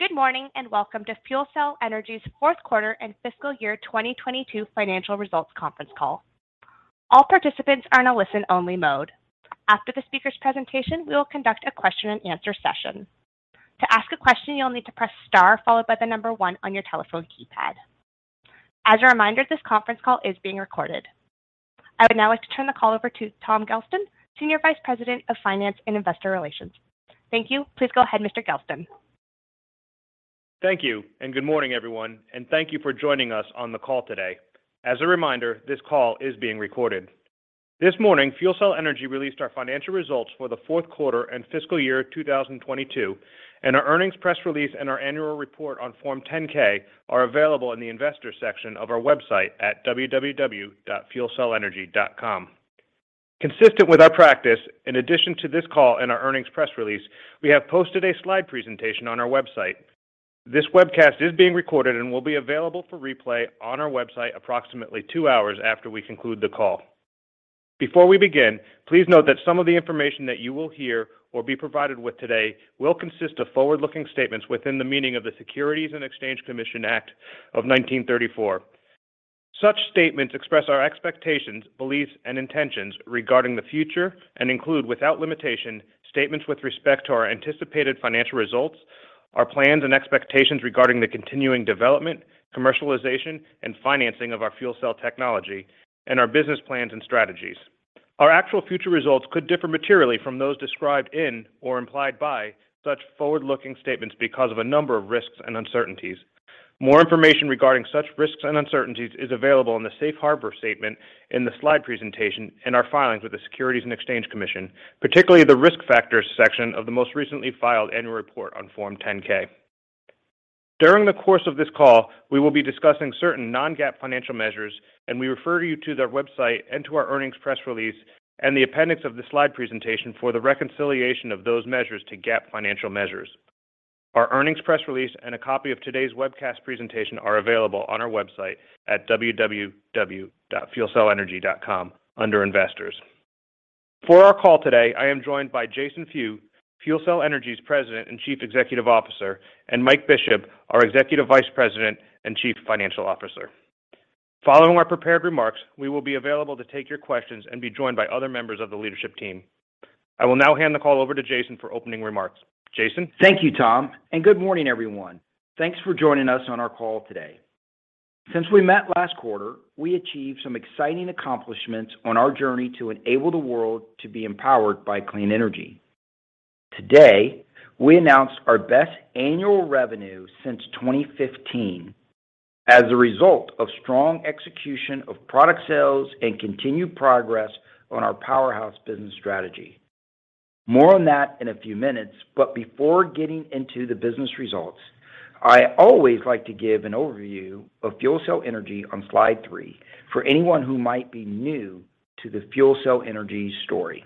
Good morning, and welcome to FuelCell Energy's fourth quarter and Fiscal year 2022 financial results conference call. All participants are in a listen-only mode. After the speaker's presentation, we will conduct a question-and-answer session. To ask a question, you'll need to press star followed by the number one on your telephone keypad. As a reminder, this conference call is being recorded. I would now like to turn the call over to Tom Gelston, Senior Vice President of Finance and Investor Relations. Thank you. Please go ahead, Mr. Gelston. Thank you, good morning, everyone, and thank you for joining us on the call today. As a reminder, this call is being recorded. This morning, FuelCell Energy released our financial results for the fourth quarter and Fiscal year 2022, and our earnings press release and our annual report on Form 10-K are available in the investor section of our website at www.fuelcellenergy.com. Consistent with our practice, in addition to this call and our earnings press release, we have posted a slide presentation on our website. This webcast is being recorded and will be available for replay on our website approximately two hours after we conclude the call. Before we begin, please note that some of the information that you will hear or be provided with today will consist of forward-looking statements within the meaning of the Securities and Exchange Commission Act of 1934. Such statements express our expectations, beliefs, and intentions regarding the future and include, without limitation, statements with respect to our anticipated financial results, our plans and expectations regarding the continuing development, commercialization, and financing of our fuel cell technology, and our business plans and strategies. Our actual future results could differ materially from those described in or implied by such forward-looking statements because of a number of risks and uncertainties. More information regarding such risks and uncertainties is available in the safe harbor statement in the slide presentation in our filings with the Securities and Exchange Commission, particularly the Risk Factors section of the most recently filed annual report on Form 10-K. During the course of this call, we will be discussing certain Non-GAAP financial measures. We refer you to their website and to our earnings press release and the appendix of the slide presentation for the reconciliation of those measures to GAAP financial measures. Our earnings press release and a copy of today's webcast presentation are available on our website at www.fuelcellenergy.com under Investors. For our call today, I am joined by Jason Few, FuelCell Energy's President and Chief Executive Officer, and Mike Bishop, our Executive Vice President and Chief Financial Officer. Following our prepared remarks, we will be available to take your questions and be joined by other members of the leadership team. I will now hand the call over to Jason for opening remarks. Jason. Thank you, Tom. Good morning, everyone. Thanks for joining us on our call today. Since we met last quarter, we achieved some exciting accomplishments on our journey to enable the world to be empowered by clean energy. Today, we announced our best annual revenue since 2015 as a result of strong execution of product sales and continued progress on our Powerhouse business strategy. More on that in a few minutes. Before getting into the business results, I always like to give an overview of FuelCell Energy on slide three for anyone who might be new to the FuelCell Energy story.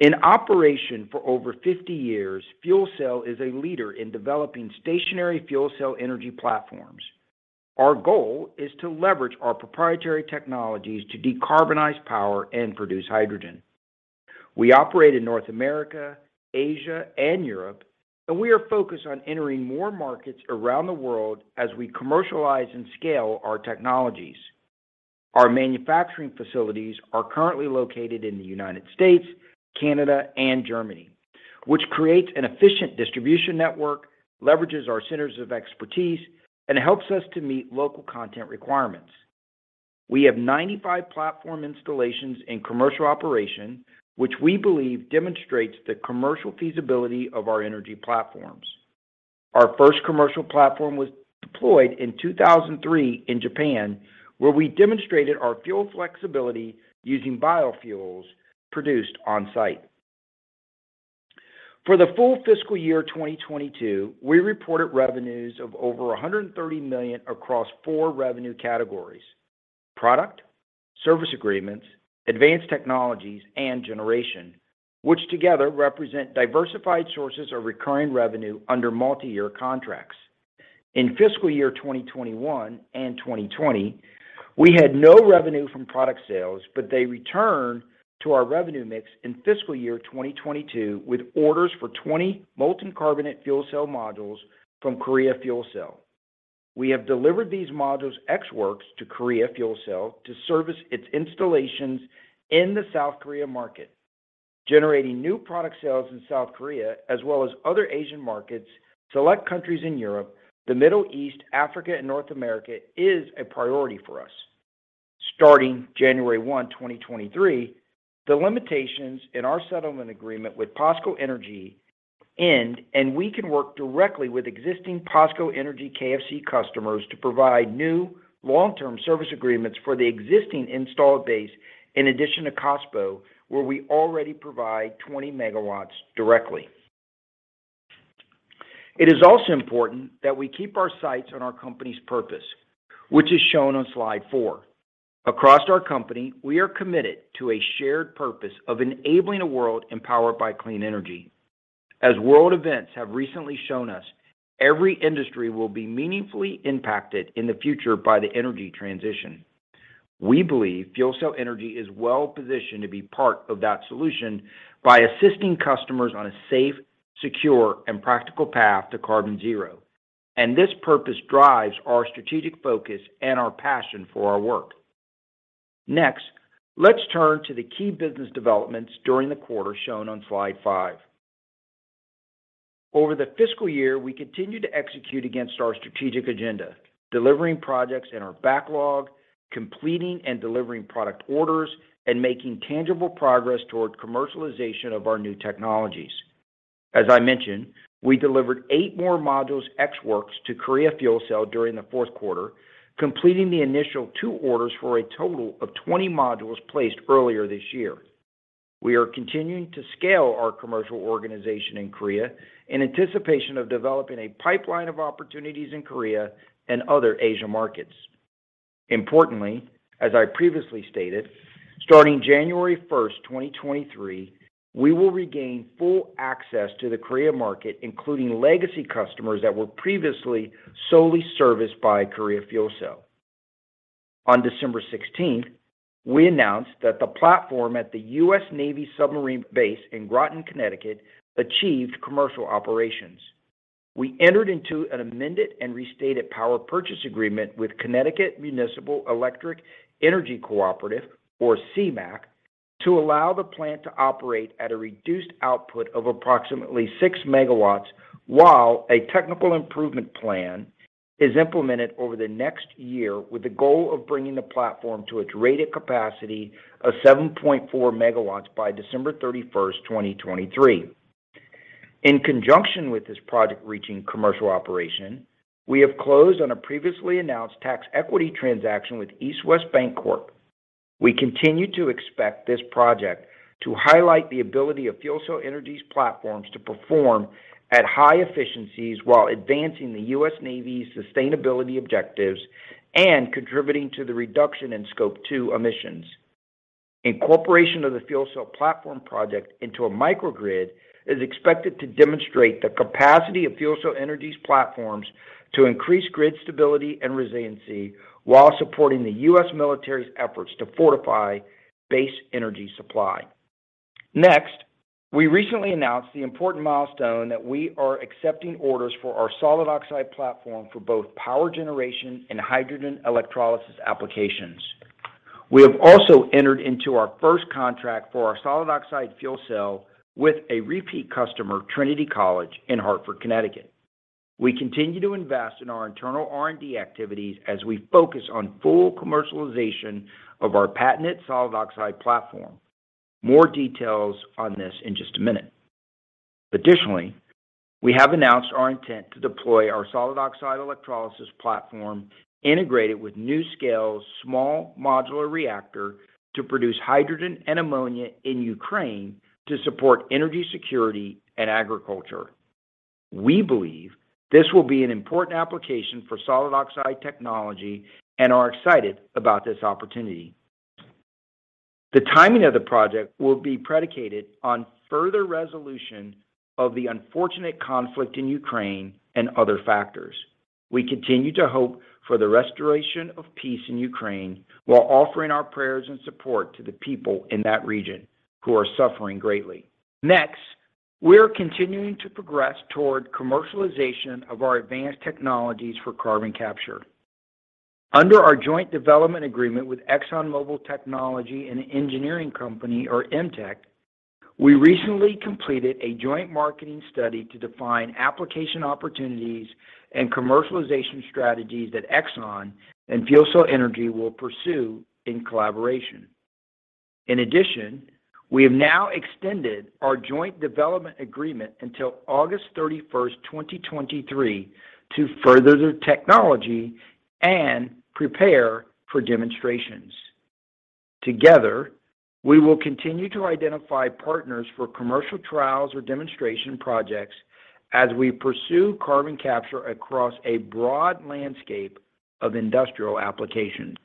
In operation for over 50 years, FuelCell is a leader in developing stationary fuel cell energy platforms. Our goal is to leverage our proprietary technologies to decarbonize power and produce hydrogen. We operate in North America, Asia, and Europe, and we are focused on entering more markets around the world as we commercialize and scale our technologies. Our manufacturing facilities are currently located in the United States, Canada, and Germany, which creates an efficient distribution network, leverages our centers of expertise, and helps us to meet local content requirements. We have 95 platform installations in commercial operation, which we believe demonstrates the commercial feasibility of our energy platforms. Our first commercial platform was deployed in 2003 in Japan, where we demonstrated our fuel flexibility using biofuels produced on-site. For the full Fiscal year 2022, we reported revenues of over $130 million across four revenue categories: product, service agreements, advanced technologies, and generation, which together represent diversified sources of recurring revenue under multi-year contracts. In Fiscal year 2021 and 2020, we had no revenue from product sales, but they returned to our revenue mix in Fiscal year 2022 with orders for 20 molten carbonate fuel cell modules from Korea Fuel Cell. We have delivered these modules ex works to Korea Fuel Cell to service its installations in the South Korea market. Generating new product sales in South Korea as well as other Asian markets, select countries in Europe, the Middle East, Africa, and North America is a priority for us. Starting January 1, 2023, the limitations in our settlement agreement with POSCO Energy end, and we can work directly with existing POSCO Energy KFC customers to provide new long-term service agreements for the existing installed base in addition to KOSPO, where we already provide 20 MW directly. It is also important that we keep our sights on our company's purpose, which is shown on slide four. Across our company, we are committed to a shared purpose of enabling a world empowered by clean energy. As world events have recently shown us, every industry will be meaningfully impacted in the future by the energy transition. We believe FuelCell Energy is well-positioned to be part of that solution by assisting customers on a safe, secure, and practical path to carbon zero, and this purpose drives our strategic focus and our passion for our work. Next, let's turn to the key business developments during the quarter shown on slide five. Over the Fiscal year, we continued to execute against our strategic agenda, delivering projects in our backlog, completing and delivering product orders, and making tangible progress toward commercialization of our new technologies. As I mentioned, we delivered eight more modules ex works to Korea Fuel Cell during the fourth quarter, completing the initial two orders for a total of 20 modules placed earlier this year. We are continuing to scale our commercial organization in Korea in anticipation of developing a pipeline of opportunities in Korea and other Asia markets. Importantly, as I previously stated, starting January 1st, 2023, we will regain full access to the Korea market, including legacy customers that were previously solely serviced by Korea Fuel Cell. On December sixteenth, we announced that the platform at the U.S. Navy submarine base in Groton, Connecticut, achieved commercial operations. We entered into an amended and restated power purchase agreement with Connecticut Municipal Electric Energy Cooperative, or CMEEC, to allow the plant to operate at a reduced output of approximately 6 MW while a technical improvement plan is implemented over the next year with the goal of bringing the platform to its rated capacity of 7.4 MW by December 31st, 2023. In conjunction with this project reaching commercial operation, we have closed on a previously announced tax equity transaction with East West Bancorp. We continue to expect this project to highlight the ability of FuelCell Energy's platforms to perform at high efficiencies while advancing the U.S. Navy's sustainability objectives and contributing to the reduction in Scope 2 emissions. Incorporation of the FuelCell platform project into a microgrid is expected to demonstrate the capacity of FuelCell Energy's platforms to increase grid stability and resiliency while supporting the U.S. military's efforts to fortify base energy supply. Next, we recently announced the important milestone that we are accepting orders for our solid oxide platform for both power generation and hydrogen electrolysis applications. We have also entered into our first contract for our solid oxide fuel cell with a repeat customer, Trinity College in Hartford, Connecticut. We continue to invest in our internal R&D activities as we focus on full commercialization of our patented solid oxide platform. More details on this in just a minute. Additionally, we have announced our intent to deploy our solid oxide electrolysis platform integrated with NuScale's small modular reactor to produce hydrogen and ammonia in Ukraine to support energy security and agriculture. We believe this will be an important application for solid oxide technology and are excited about this opportunity. The timing of the project will be predicated on further resolution of the unfortunate conflict in Ukraine and other factors. We continue to hope for the restoration of peace in Ukraine while offering our prayers and support to the people in that region who are suffering greatly. Next, we are continuing to progress toward commercialization of our advanced technologies for carbon capture. Under our Joint Development Agreement with ExxonMobil Technology and Engineering Company, or EMTEC, we recently completed a joint marketing study to define application opportunities and commercialization strategies that Exxon and FuelCell Energy will pursue in collaboration. In addition, we have now extended our Joint Development Agreement until August 31st, 2023 to further the technology and prepare for demonstrations. Together, we will continue to identify partners for commercial trials or demonstration projects as we pursue carbon capture across a broad landscape of industrial applications.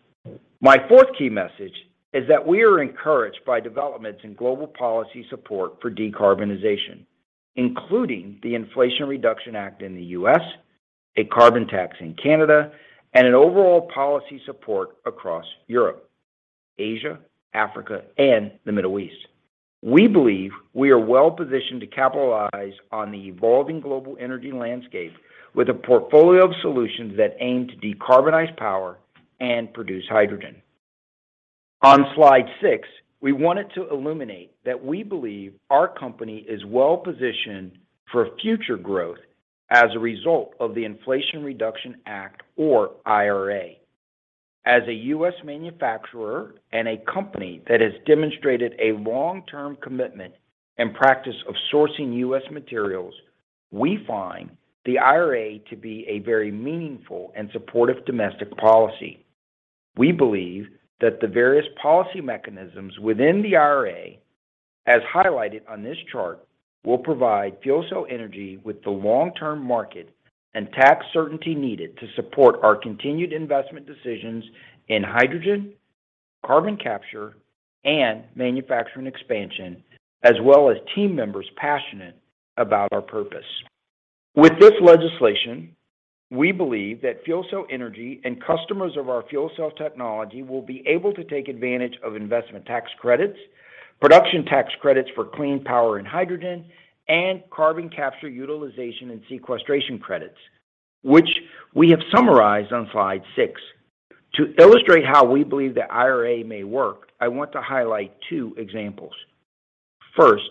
My fourth key message is that we are encouraged by developments in global policy support for decarbonization, including the Inflation Reduction Act in the U.S., a carbon tax in Canada, and an overall policy support across Europe, Asia, Africa, and the Middle East. We believe we are well-positioned to capitalize on the evolving global energy landscape with a portfolio of solutions that aim to decarbonize power and produce hydrogen. On slide six, we wanted to illuminate that we believe our company is well-positioned for future growth as a result of the Inflation Reduction Act or IRA. As a U.S. manufacturer and a company that has demonstrated a long-term commitment and practice of sourcing U.S. materials, we find the IRA to be a very meaningful and supportive domestic policy. We believe that the various policy mechanisms within the IRA, as highlighted on this chart, will provide FuelCell Energy with the long-term market and tax certainty needed to support our continued investment decisions in hydrogen, carbon capture, and manufacturing expansion, as well as team members passionate about our purpose. With this legislation, we believe that FuelCell Energy and customers of our fuel cell technology will be able to take advantage of investment tax credits, production tax credits for clean power and hydrogen, and carbon capture utilization and sequestration credits, which we have summarized on slide six. To illustrate how we believe the IRA may work, I want to highlight two examples. First,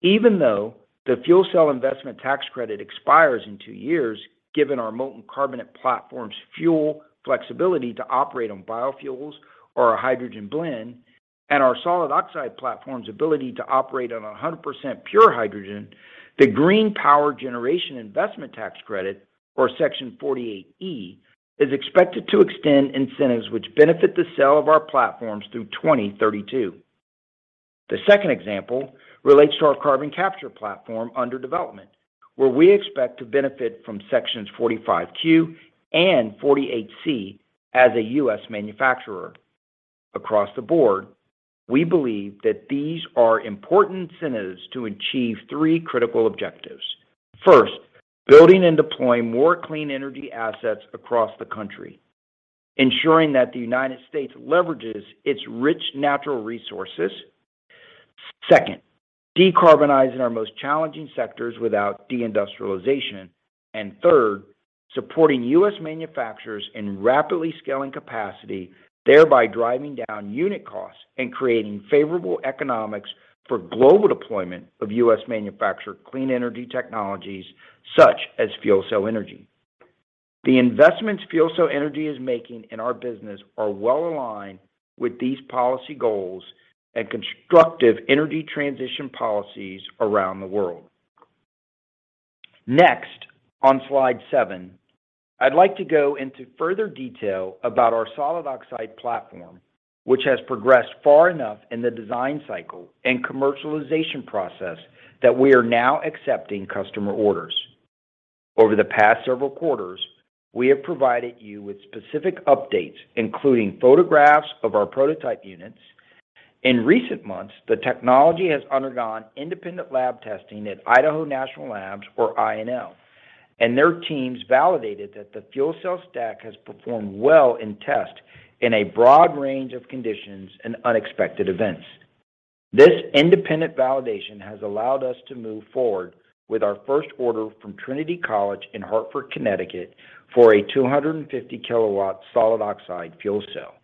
even though the fuel cell investment tax credit expires in two years, given our molten carbonate platform's fuel flexibility to operate on biofuels or a hydrogen blend, and our solid oxide platform's ability to operate on 100% pure hydrogen, the green power generation investment tax credit, or Section 48E, is expected to extend incentives which benefit the sale of our platforms through 2032. The second example relates to our carbon capture platform under development, where we expect to benefit from Sections 45Q and 48C as a U.S. manufacturer. Across the board, we believe that these are important incentives to achieve three critical objectives. First, building and deploying more clean energy assets across the country, ensuring that the United States leverages its rich natural resources. Second, decarbonizing our most challenging sectors without de-industrialization. Third, supporting U.S. manufacturers in rapidly scaling capacity, thereby driving down unit costs and creating favorable economics for global deployment of U.S. manufacturer clean energy technologies such as FuelCell Energy. The investments FuelCell Energy is making in our business are well aligned with these policy goals and constructive energy transition policies around the world. Next, on slide seven, I'd like to go into further detail about our solid oxide platform, which has progressed far enough in the design cycle and commercialization process that we are now accepting customer orders. Over the past several quarters, we have provided you with specific updates, including photographs of our prototype units. In recent months, the technology has undergone independent lab testing at Idaho National Laboratory, or INL, and their teams validated that the fuel cell stack has performed well in test in a broad range of conditions and unexpected events. This independent validation has allowed us to move forward with our first order from Trinity College in Hartford, Connecticut, for a 250 kW solid oxide fuel cell.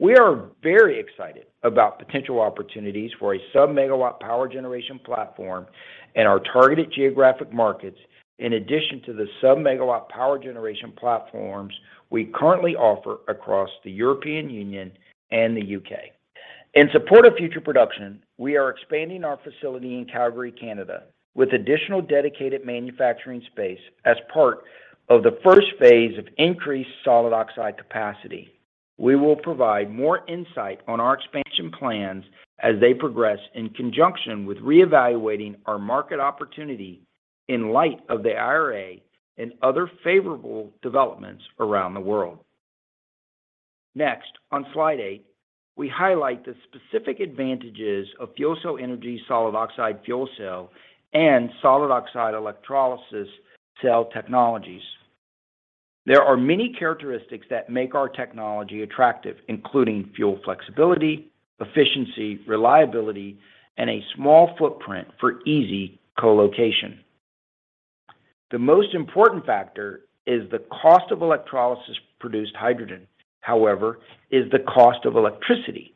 We are very excited about potential opportunities for a sub-megawatt power generation platform in our targeted geographic markets, in addition to the sub-megawatt power generation platforms we currently offer across the European Union and the UK. In support of future production, we are expanding our facility in Calgary, Canada, with additional dedicated manufacturing space as part of the first phase of increased solid oxide capacity. We will provide more insight on our expansion plans as they progress in conjunction with reevaluating our market opportunity in light of the IRA and other favorable developments around the world. Next, on slide eight, we highlight the specific advantages of FuelCell Energy solid oxide fuel cell and solid oxide electrolysis cell technologies. There are many characteristics that make our technology attractive, including fuel flexibility, efficiency, reliability, and a small footprint for easy co-location. The most important factor is the cost of electrolysis-produced hydrogen, however, is the cost of electricity.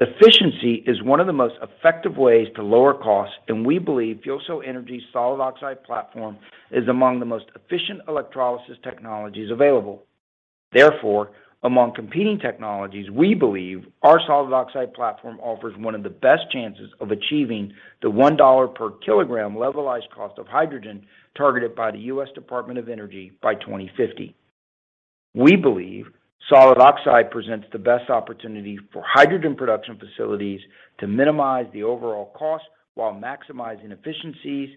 Efficiency is one of the most effective ways to lower costs, and we believe FuelCell Energy solid oxide platform is among the most efficient electrolysis technologies available. Therefore, among competing technologies, we believe our solid oxide platform offers one of the best chances of achieving the $1 per kg levelized cost of hydrogen targeted by the U.S. Department of Energy by 2050. We believe solid oxide presents the best opportunity for hydrogen production facilities to minimize the overall cost while maximizing efficiencies,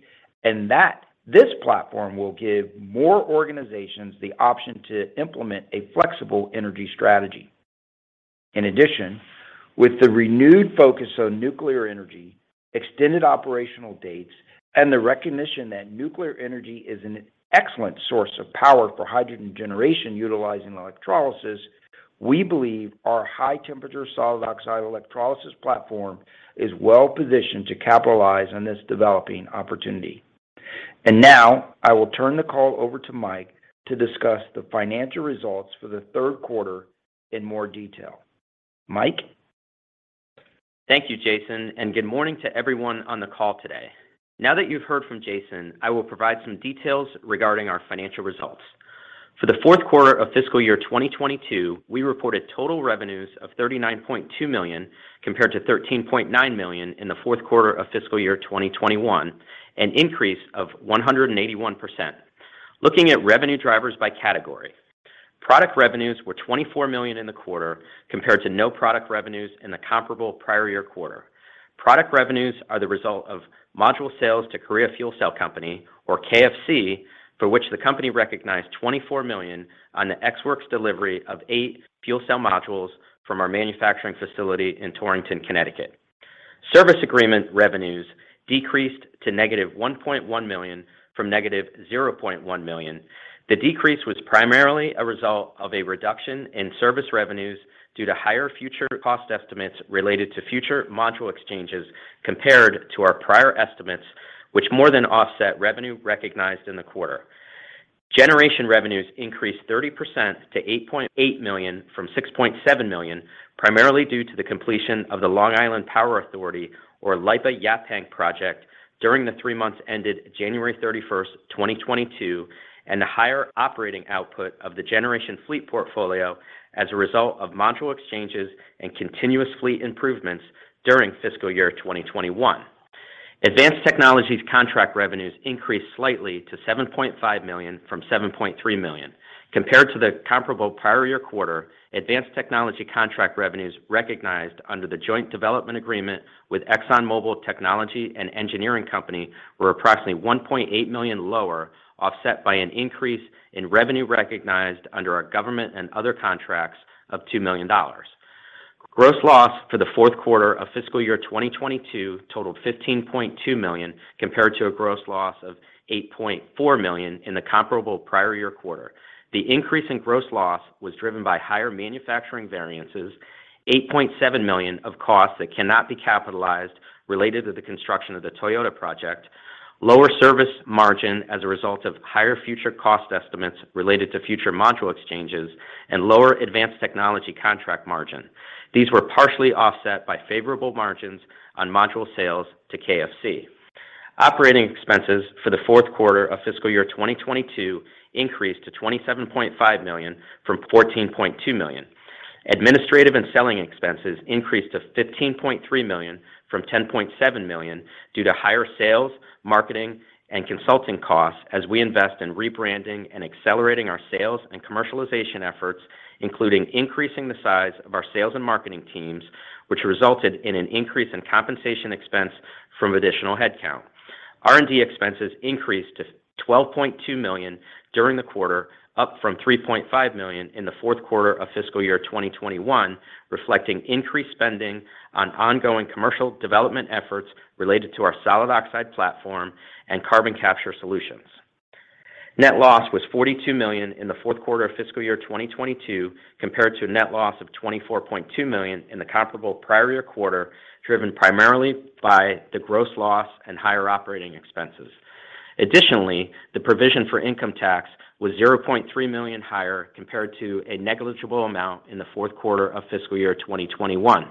and that this platform will give more organizations the option to implement a flexible energy strategy. In addition, with the renewed focus on nuclear energy, extended operational dates, and the recognition that nuclear energy is an excellent source of power for hydrogen generation utilizing electrolysis, we believe our high-temperature solid oxide electrolysis platform is well positioned to capitalize on this developing opportunity. Now, I will turn the call over to Mike to discuss the financial results for the third quarter in more detail. Mike? Thank you, Jason, and good morning to everyone on the call today. Now that you've heard from Jason, I will provide some details regarding our financial results. For the fourth quarter of Fiscal year 2022, we reported total revenues of $39.2 million, compared to $13.9 million in the fourth quarter of Fiscal year 2021, an increase of 181%. Looking at revenue drivers by category, product revenues were $24 million in the quarter, compared to no product revenues in the comparable prior year quarter. Product revenues are the result of module sales to Korea Fuel Cell Co., Ltd., or KFC, for which the company recognized $24 million on the ex works delivery of eight fuel cell modules from our manufacturing facility in Torrington, Connecticut. Service agreement revenues decreased to negative $1.1 million from negative $0.1 million. The decrease was primarily a result of a reduction in service revenues due to higher future cost estimates related to future module exchanges compared to our prior estimates, which more than offset revenue recognized in the quarter. Generation revenues increased 30% to $8.8 million from $6.7 million, primarily due to the completion of the Long Island Power Authority or LIPA Yaphank project during the three months ended January 31st, 2022, and the higher operating output of the generation fleet portfolio as a result of module exchanges and continuous fleet improvements during Fiscal year 2021. Advanced technologies contract revenues increased slightly to $7.5 million from $7.3 million. Compared to the comparable prior year quarter, advanced technology contract revenues recognized under the joint development agreement with ExxonMobil Technology and Engineering Company were approximately $1.8 million lower, offset by an increase in revenue recognized under our government and other contracts of $2 million. Gross loss for the fourth quarter of Fiscal year 2022 totaled $15.2 million, compared to a gross loss of $8.4 million in the comparable prior year quarter. The increase in gross loss was driven by higher manufacturing variances, $8.7 million of costs that cannot be capitalized related to the construction of the Toyota project, lower service margin as a result of higher future cost estimates related to future module exchanges, and lower advanced technology contract margin. These were partially offset by favorable margins on module sales to KFC. Operating expenses for the fourth quarter of Fiscal year 2022 increased to $27.5 million from $14.2 million. Administrative and selling expenses increased to $15.3 million from $10.7 million due to higher sales, marketing, and consulting costs as we invest in rebranding and accelerating our sales and commercialization efforts, including increasing the size of our sales and marketing teams, which resulted in an increase in compensation expense from additional headcount. R&D expenses increased to $12.2 million during the quarter, up from $3.5 million in the fourth quarter of Fiscal year 2021, reflecting increased spending on ongoing commercial development efforts related to our solid oxide platform and carbon capture solutions. Net loss was $42 million in the fourth quarter of Fiscal year 2022, compared to a net loss of $24.2 million in the comparable prior year quarter, driven primarily by the gross loss and higher operating expenses. Additionally, the provision for income tax was $0.3 million higher compared to a negligible amount in the fourth quarter of Fiscal year 2021.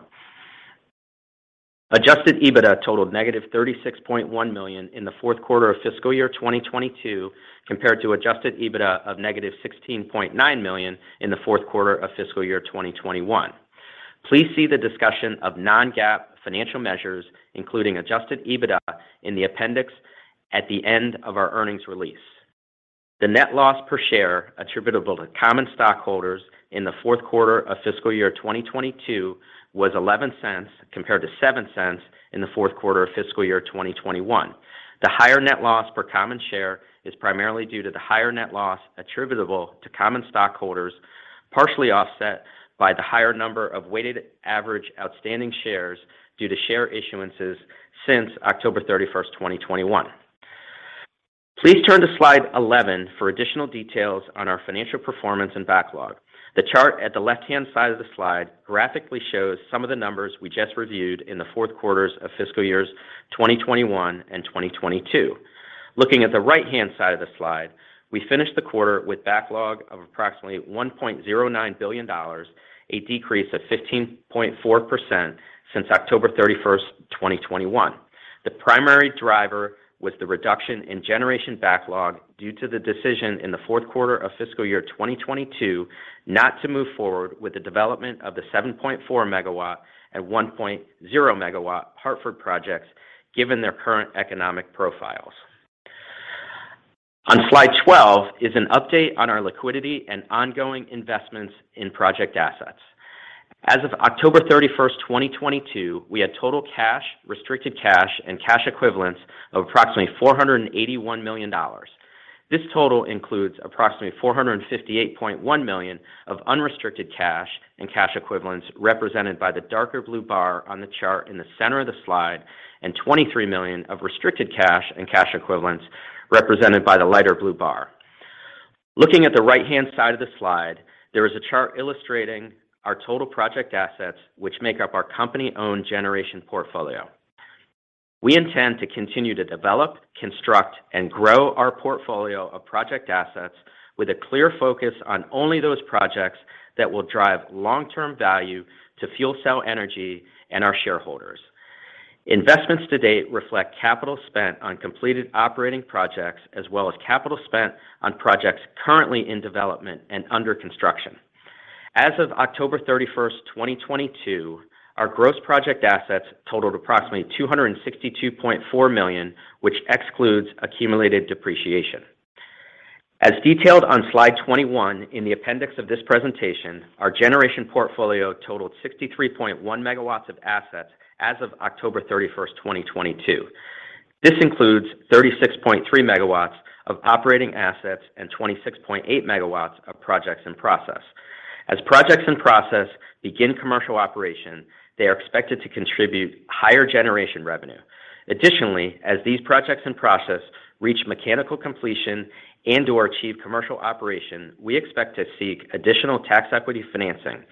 Adjusted EBITDA totaled negative $36.1 million in the fourth quarter of Fiscal year 2022, compared to Adjusted EBITDA of negative $16.9 million in the fourth quarter of Fiscal year 2021. Please see the discussion of Non-GAAP financial measures, including Adjusted EBITDA, in the appendix at the end of our earnings release. The net loss per share attributable to common stockholders in the fourth quarter of Fiscal year 2022 was $0.11 compared to $0.07 in the fourth quarter of Fiscal year 2021. The higher net loss per common share is primarily due to the higher net loss attributable to common stockholders, partially offset by the higher number of weighted average outstanding shares due to share issuances since October 31st, 2021. Please turn to slide 11 for additional details on our financial performance and backlog. The chart at the left-hand side of the slide graphically shows some of the numbers we just reviewed in the fourth quarters of Fiscal years 2021 and 2022. Looking at the right-hand side of the slide, we finished the quarter with backlog of approximately $1.09 billion, a decrease of 15.4% since October 31st, 2021. The primary driver was the reduction in generation backlog due to the decision in the fourth quarter of Fiscal year 2022 not to move forward with the development of the 7.4 MW and 1.0 MW Hartford projects given their current economic profiles. On slide 12 is an update on our liquidity and ongoing investments in project assets. As of October 31st, 2022, we had total cash, restricted cash, and cash equivalents of approximately $481 million. This total includes approximately $458.1 million of unrestricted cash and cash equivalents represented by the darker blue bar on the chart in the center of the slide, and $23 million of restricted cash and cash equivalents represented by the lighter blue bar. Looking at the right-hand side of the slide, there is a chart illustrating our total project assets, which make up our company-owned generation portfolio. We intend to continue to develop, construct, and grow our portfolio of project assets with a clear focus on only those projects that will drive long-term value to FuelCell Energy and our shareholders. Investments to date reflect capital spent on completed operating projects as well as capital spent on projects currently in development and under construction. As of October 31st, 2022, our gross project assets totaled approximately $262.4 million, which excludes accumulated depreciation. As detailed on slide 21 in the appendix of this presentation, our generation portfolio totaled 63.1 MW of assets as of October 31st, 2022. This includes 36.3 MW of operating assets and 26.8 MW of projects in process. As projects in process begin commercial operation, they are expected to contribute higher generation revenue. Additionally, as these projects in process reach mechanical completion and/or achieve commercial operation, we expect to seek additional tax equity financing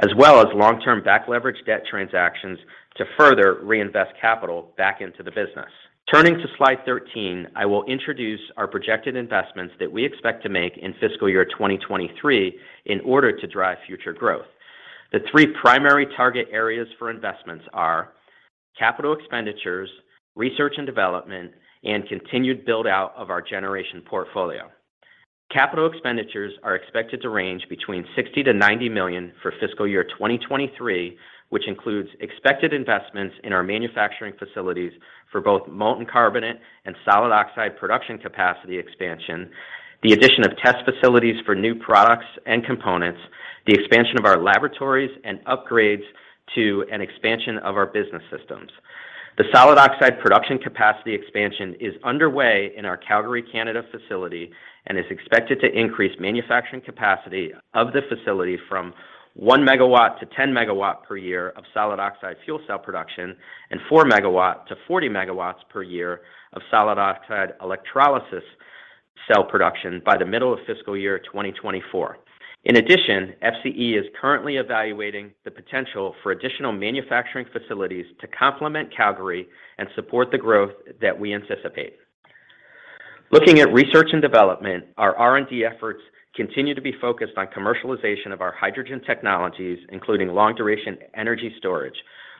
as well as long-term back leverage debt transactions to further reinvest capital back into the business. Turning to slide 13, I will introduce our projected investments that we expect to make in Fiscal year 2023 in order to drive future growth. The three primary target areas for investments are capital expenditures, research and development, and continued build-out of our generation portfolio. Capital expenditures are expected to range between $60 million-$90 million for Fiscal year 2023, which includes expected investments in our manufacturing facilities for both molten carbonate and solid oxide production capacity expansion, the addition of test facilities for new products and components, the expansion of our laboratories, and upgrades to an expansion of our business systems. The solid oxide production capacity expansion is underway in our Calgary, Canada facility and is expected to increase manufacturing capacity of the facility from 1 MW to 10 MW per year of solid oxide fuel cell production and 4 MW to 40 MW per year of solid oxide electrolysis cell production by the middle of Fiscal year 2024. In addition, FCE is currently evaluating the potential for additional manufacturing facilities to complement Calgary and support the growth that we anticipate. Looking at research and development, our R&D efforts continue to be focused on commercialization of our hydrogen technologies, including long-duration energy storage.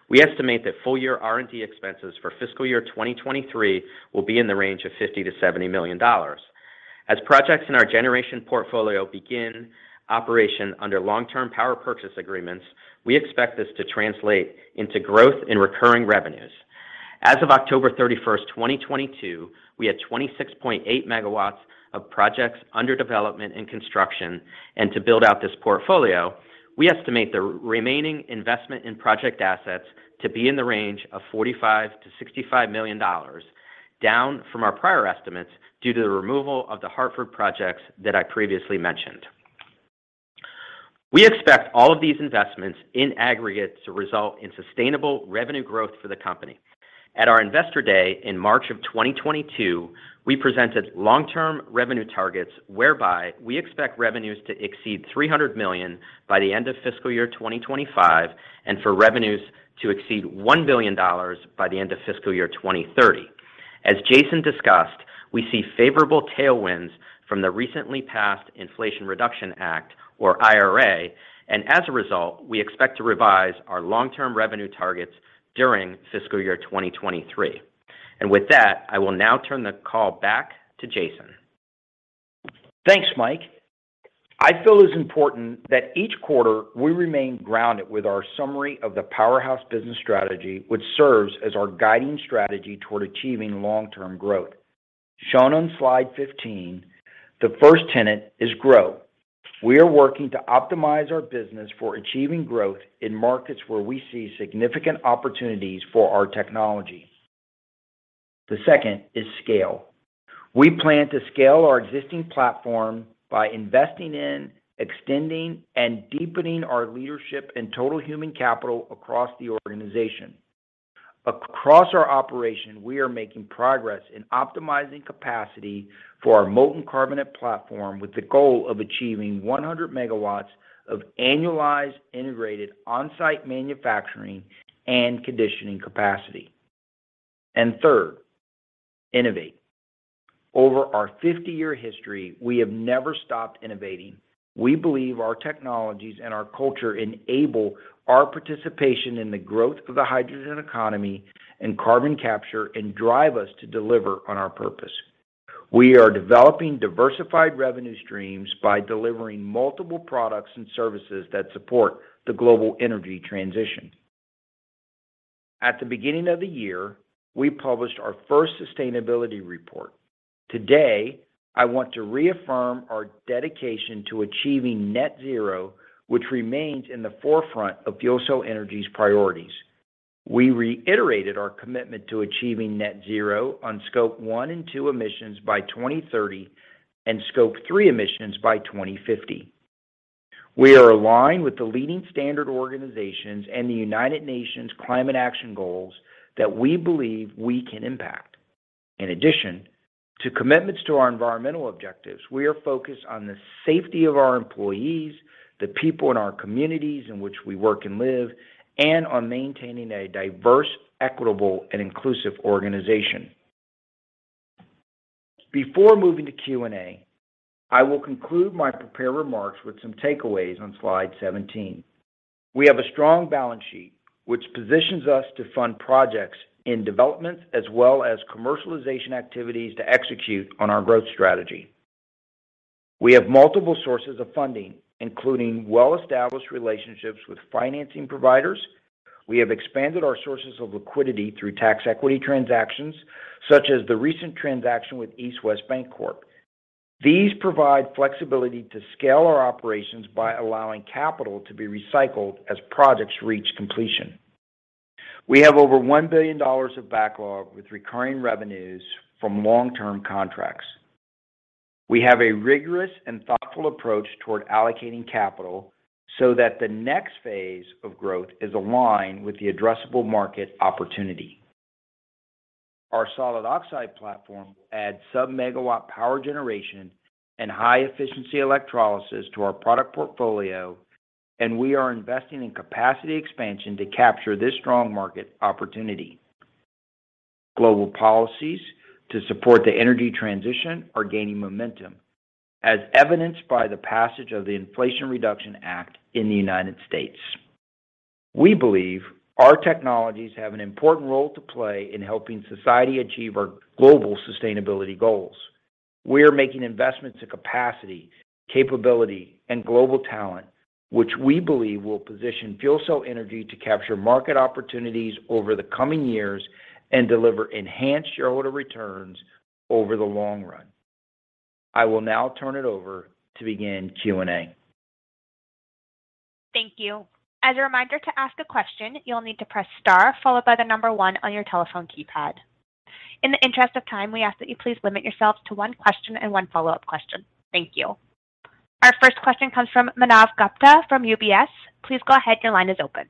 We estimate that full year R&D expenses for Fiscal year 2023 will be in the range of $50 million-$70 million. As projects in our generation portfolio begin operation under long-term power purchase agreements, we expect this to translate into growth in recurring revenues. As of October 31st, 2022, we had 26.8 MW of projects under development and construction. To build out this portfolio, we estimate the remaining investment in project assets to be in the range of $45 million-$65 million, down from our prior estimates due to the removal of the Hartford projects that I previously mentioned. We expect all of these investments in aggregate to result in sustainable revenue growth for the company. At our Investor Day in March of 2022, we presented long-term revenue targets whereby we expect revenues to exceed $300 million by the end of Fiscal year 2025 and for revenues to exceed $1 billion by the end of Fiscal year 2030. As Jason discussed, we see favorable tailwinds from the recently passed Inflation Reduction Act or IRA. As a result, we expect to revise our long-term revenue targets during Fiscal year 2023. With that, I will now turn the call back to Jason. Thanks, Mike. I feel it's important that each quarter we remain grounded with our summary of the Powerhouse business strategy, which serves as our guiding strategy toward achieving long-term growth. Shown on slide 15, the first tenet is grow. We are working to optimize our business for achieving growth in markets where we see significant opportunities for our technology. The second is scale. We plan to scale our existing platform by investing in, extending, and deepening our leadership in total human capital across the organization. Across our operation, we are making progress in optimizing capacity for our molten carbonate platform with the goal of achieving 100 MW of annualized integrated on-site manufacturing and conditioning capacity. Third, innovate. Over our 50-year history, we have never stopped innovating. We believe our technologies and our culture enable our participation in the growth of the hydrogen economy and carbon capture and drive us to deliver on our purpose. We are developing diversified revenue streams by delivering multiple products and services that support the global energy transition. At the beginning of the year, we published our first sustainability report. Today, I want to reaffirm our dedication to achieving net zero, which remains in the forefront of FuelCell Energy's priorities. We reiterated our commitment to achieving net zero on Scope 1 and 2 emissions by 2030 and Scope 3 emissions by 2050. We are aligned with the leading standard organizations and the United Nations climate action goals that we believe we can impact. In addition to commitments to our environmental objectives, we are focused on the safety of our employees, the people in our communities in which we work and live, and on maintaining a diverse, equitable, and inclusive organization. Before moving to Q&A, I will conclude my prepared remarks with some takeaways on slide 17. We have a strong balance sheet, which positions us to fund projects in development as well as commercialization activities to execute on our growth strategy. We have multiple sources of funding, including well-established relationships with financing providers. We have expanded our sources of liquidity through tax equity transactions, such as the recent transaction with East West Bancorp. These provide flexibility to scale our operations by allowing capital to be recycled as projects reach completion. We have over $1 billion of backlog with recurring revenues from long-term contracts. We have a rigorous and thoughtful approach toward allocating capital so that the next phase of growth is aligned with the addressable market opportunity. Our solid oxide platform adds sub-megawatt power generation and high-efficiency electrolysis to our product portfolio, and we are investing in capacity expansion to capture this strong market opportunity. Global policies to support the energy transition are gaining momentum, as evidenced by the passage of the Inflation Reduction Act in the United States. We believe our technologies have an important role to play in helping society achieve our global sustainability goals. We are making investments to capacity, capability, and global talent, which we believe will position FuelCell Energy to capture market opportunities over the coming years and deliver enhanced shareholder returns over the long run. I will now turn it over to begin Q&A. Thank you. As a reminder to ask a question, you'll need to press star followed by the number one on your telephone keypad. In the interest of time, we ask that you please limit yourself to one question and one follow-up question. Thank you. Our first question comes from Manav Gupta from UBS. Please go ahead. Your line is open.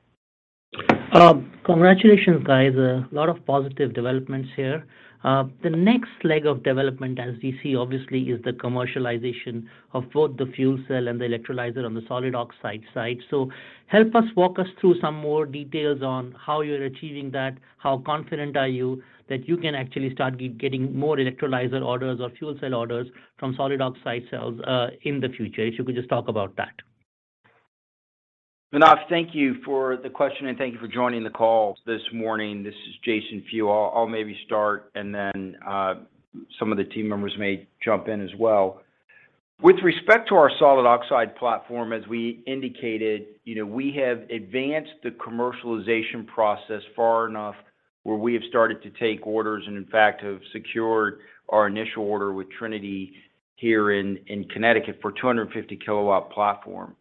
Congratulations, guys. A lot of positive developments here. The next leg of development as we see obviously, is the commercialization of both the fuel cell and the electrolyzer on the solid oxide side. Help us walk us through some more details on how you're achieving that. How confident are you that you can actually start getting more electrolyzer orders or fuel cell orders from solid oxide cells in the future? If you could just talk about that. Manav, thank you for the question, and thank you for joining the call this morning. This is Jason Few. I'll maybe start and then some of the team members may jump in as well. With respect to our solid oxide platform, as we indicated, you know, we have advanced the commercialization process far enough where we have started to take orders and in fact, have secured our initial order with Trinity here in Connecticut for 250 kW platform.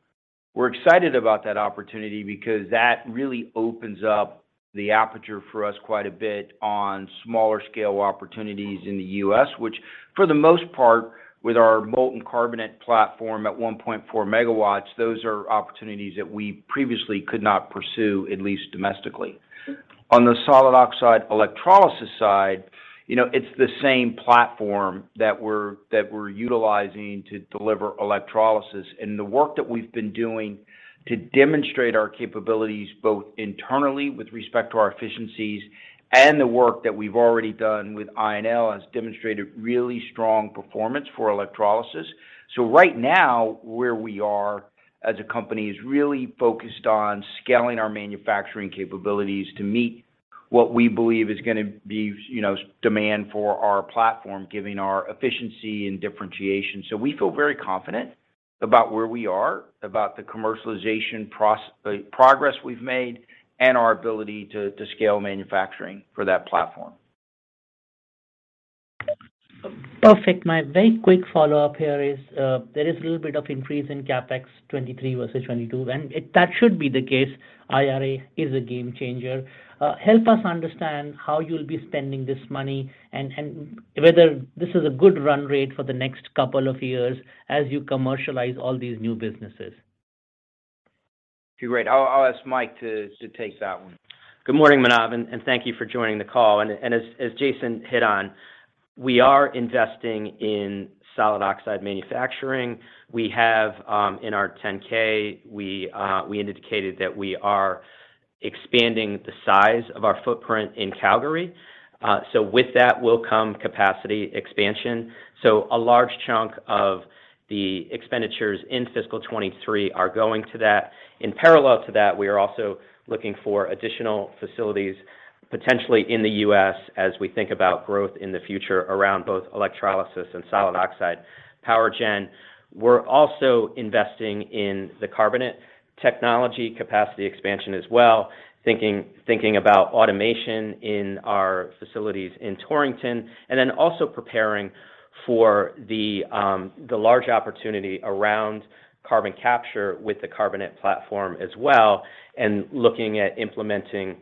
We're excited about that opportunity because that really opens up the aperture for us quite a bit on smaller scale opportunities in the U.S., which for the most part, with our molten carbonate platform at 1.4 MW, those are opportunities that we previously could not pursue, at least domestically. On the solid oxide electrolysis side, you know, it's the same platform that we're utilizing to deliver electrolysis. The work that we've been doing to demonstrate our capabilities, both internally with respect to our efficiencies and the work that we've already done with INL has demonstrated really strong performance for electrolysis. Right now, where we are as a company is really focused on scaling our manufacturing capabilities to meet what we believe is gonna be, you know, demand for our platform, giving our efficiency and differentiation. We feel very confident about where we are, about the commercialization progress we've made, and our ability to scale manufacturing for that platform. Perfect. My very quick follow-up here is, there is a little bit of increase in CapEx 2023 versus 2022, that should be the case. IRA is a game changer. Help us understand how you'll be spending this money and whether this is a good run rate for the next couple of years as you commercialize all these new businesses. Great. I'll ask Mike to take that one. Good morning, Manav, and thank you for joining the call. As Jason hit on, we are investing in solid oxide manufacturing. We have in our Form 10-K, we indicated that we are expanding the size of our footprint in Calgary. With that will come capacity expansion. A large chunk of the expenditures in Fiscal 2023 are going to that. In parallel to that, we are also looking for additional facilities potentially in the U.S. as we think about growth in the future around both electrolysis and solid oxide power gen. We're also investing in the carbonate technology capacity expansion as well, thinking about automation in our facilities in Torrington, and then also preparing for the large opportunity around carbon capture with the carbonate platform as well, and looking at implementing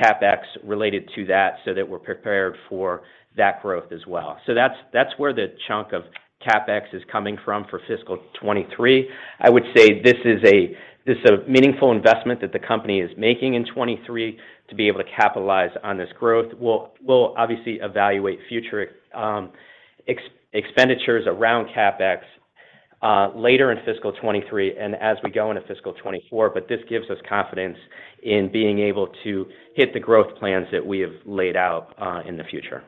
CapEx related to that so that we're prepared for that growth as well. That's where the chunk of CapEx is coming from for Fiscal '23. I would say this is a meaningful investment that the company is making in '23 to be able to capitalize on this growth. We'll obviously evaluate future expenditures around CapEx later in Fiscal '23 and as we go into Fiscal '24. This gives us confidence in being able to hit the growth plans that we have laid out in the future.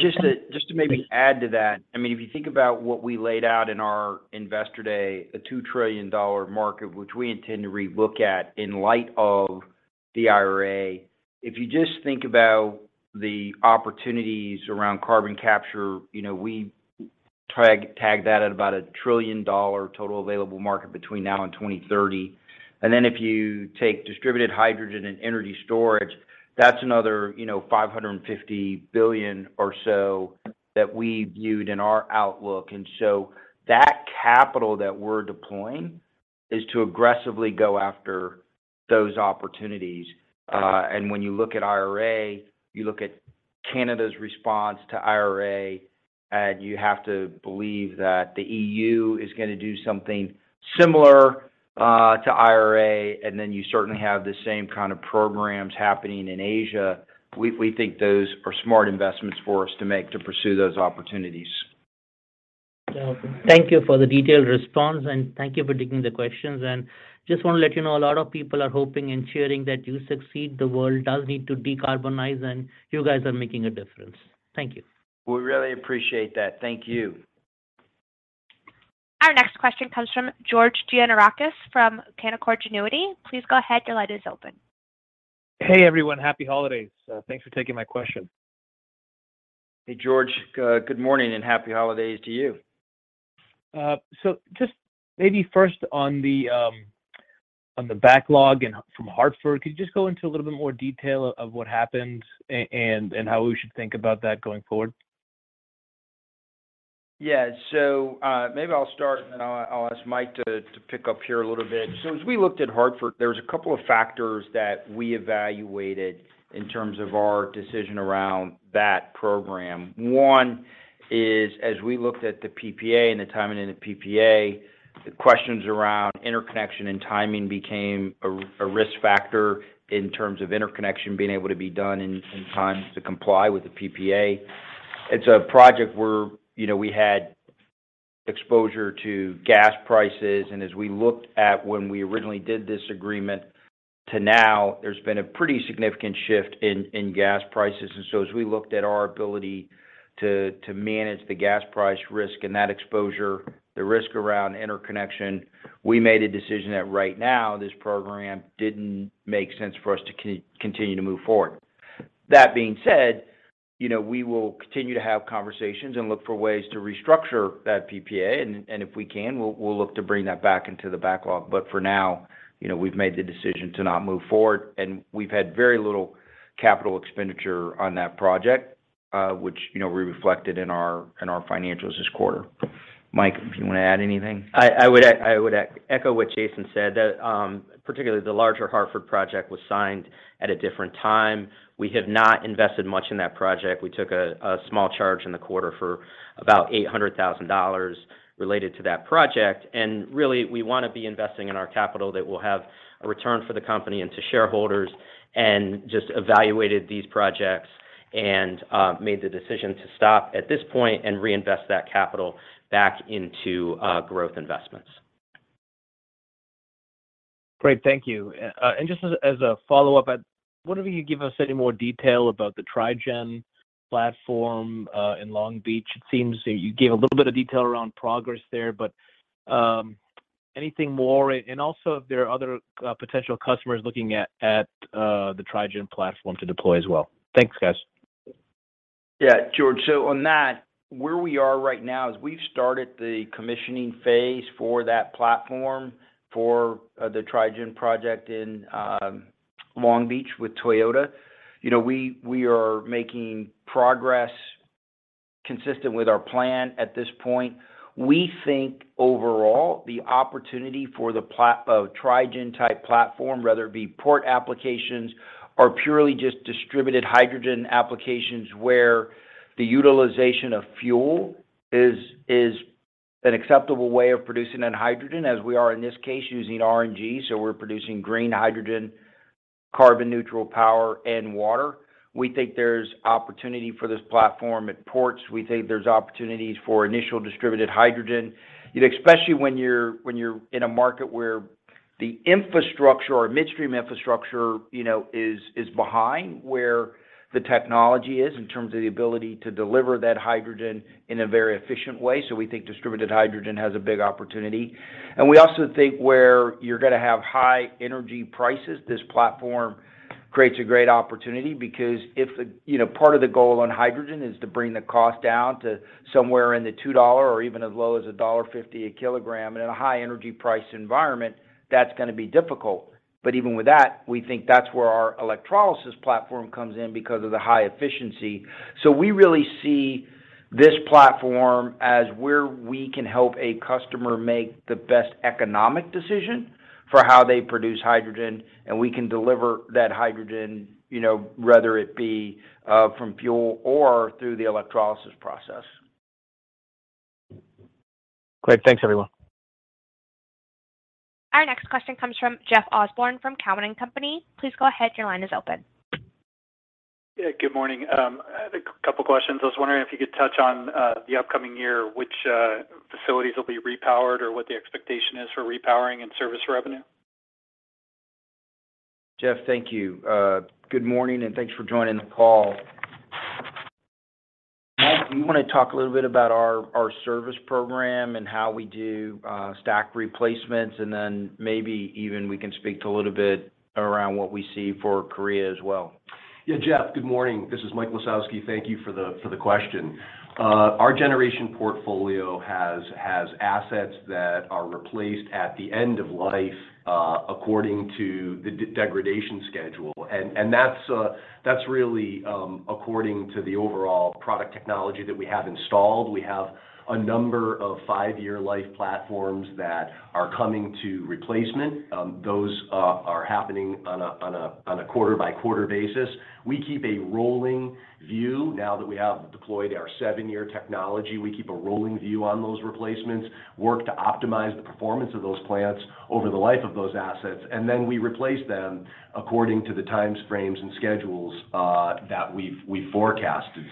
Just to maybe add to that, I mean, if you think about what we laid out in our investor day, a $2 trillion market, which we intend to relook at in light of the IRA. If you just think about the opportunities around carbon capture, you know, we tag that at about a $1 trillion total available market between now and 2030. Then if you take distributed hydrogen and energy storage. That's another, you know, $550 billion or so that we viewed in our outlook. That capital that we're deploying is to aggressively go after those opportunities. When you look at IRA, you look at Canada's response to IRA, and you have to believe that the EU is gonna do something similar to IRA. Then you certainly have the same kind of programs happening in Asia. We think those are smart investments for us to make to pursue those opportunities. Thank you for the detailed response, and thank you for taking the questions. Just want to let you know a lot of people are hoping and cheering that you succeed. The world does need to decarbonize, and you guys are making a difference. Thank you. We really appreciate that. Thank you. Our next question comes from George Gianarikas from Canaccord Genuity. Please go ahead, your line is open. Hey, everyone. Happy holidays. Thanks for taking my question. Hey, George. Good morning and happy holidays to you. Just maybe first on the, on the backlog and from Hartford. Could you just go into a little bit more detail of what happened and how we should think about that going forward? Maybe I'll start and then I'll ask Mike to pick up here a little bit. As we looked at Hartford, there was a couple of factors that we evaluated in terms of our decision around that program. One is, as we looked at the PPA and the timing of the PPA, the questions around interconnection and timing became a risk factor in terms of interconnection being able to be done in time to comply with the PPA. It's a project where, you know, we had exposure to gas prices, and as we looked at when we originally did this agreement to now, there's been a pretty significant shift in gas prices. As we looked at our ability to manage the gas price risk and that exposure, the risk around interconnection, we made a decision that right now this program didn't make sense for us to continue to move forward. That being said, you know, we will continue to have conversations and look for ways to restructure that PPA. If we can, we'll look to bring that back into the backlog. For now, you know, we've made the decision to not move forward, and we've had very little capital expenditure on that project, which, you know, we reflected in our financials this quarter. Mike, do you want to add anything? I would echo what Jason said, that particularly the larger Hartford project was signed at a different time. We have not invested much in that project. We took a small charge in the quarter for about $800,000 related to that project. Really, we wanna be investing in our capital that will have a return for the company and to shareholders, and just evaluated these projects and made the decision to stop at this point and reinvest that capital back into growth investments. Great. Thank you. Just as a follow-up, I wonder if you could give us any more detail about the Tri-gen platform, in Long Beach. It seems that you gave a little bit of detail around progress there, but, anything more? Also if there are other, potential customers looking at, the Tri-gen platform to deploy as well. Thanks, guys. Yeah, George. On that, where we are right now is we've started the commissioning phase for that platform for the Tri-gen project in Long Beach with Toyota. You know, we are making progress consistent with our plan at this point. We think overall, the opportunity for the Tri-gen type platform, whether it be port applications or purely just distributed hydrogen applications where the utilization of fuel is an acceptable way of producing that hydrogen as we are in this case using RNG, so we're producing green hydrogen, carbon neutral power and water. We think there's opportunity for this platform at ports. We think there's opportunities for initial distributed hydrogen. You know, especially when you're in a market where the infrastructure or midstream infrastructure, you know, is behind where the technology is in terms of the ability to deliver that hydrogen in a very efficient way. We think distributed hydrogen has a big opportunity. We also think where you're gonna have high energy prices, this platform creates a great opportunity because, you know, part of the goal on hydrogen is to bring the cost down to somewhere in the $2 or even as low as a $1.50 a kg. In a high energy price environment, that's gonna be difficult. Even with that, we think that's where our electrolysis platform comes in because of the high efficiency. We really see this platform as where we can help a customer make the best economic decision for how they produce hydrogen, and we can deliver that hydrogen, you know, whether it be from fuel or through the electrolysis process. Great. Thanks, everyone. Our next question comes from Jeff Osborne from Cowen and Company. Please go ahead, your line is open. Good morning. I had a couple questions. I was wondering if you could touch on the upcoming year, which facilities will be repowered or what the expectation is for repowering and service revenue. Jeff, thank you. Good morning, and thanks for joining the call. Mike, do you wanna talk a little bit about our service program and how we do stack replacements, and then maybe even we can speak to a little bit around what we see for Korea as well? Yeah. Jeff, good morning. This is Mike Lisowski. Thank you for the question. Our generation portfolio has assets that are replaced at the end of life. According to the de-degradation schedule. That's really according to the overall product technology that we have installed. We have a number of five-year life platforms that are coming to replacement. Those are happening on a quarter-by-quarter basis. We keep a rolling view now that we have deployed our seven-year technology. We keep a rolling view on those replacements, work to optimize the performance of those plants over the life of those assets, we replace them according to the time frames and schedules that we've forecasted.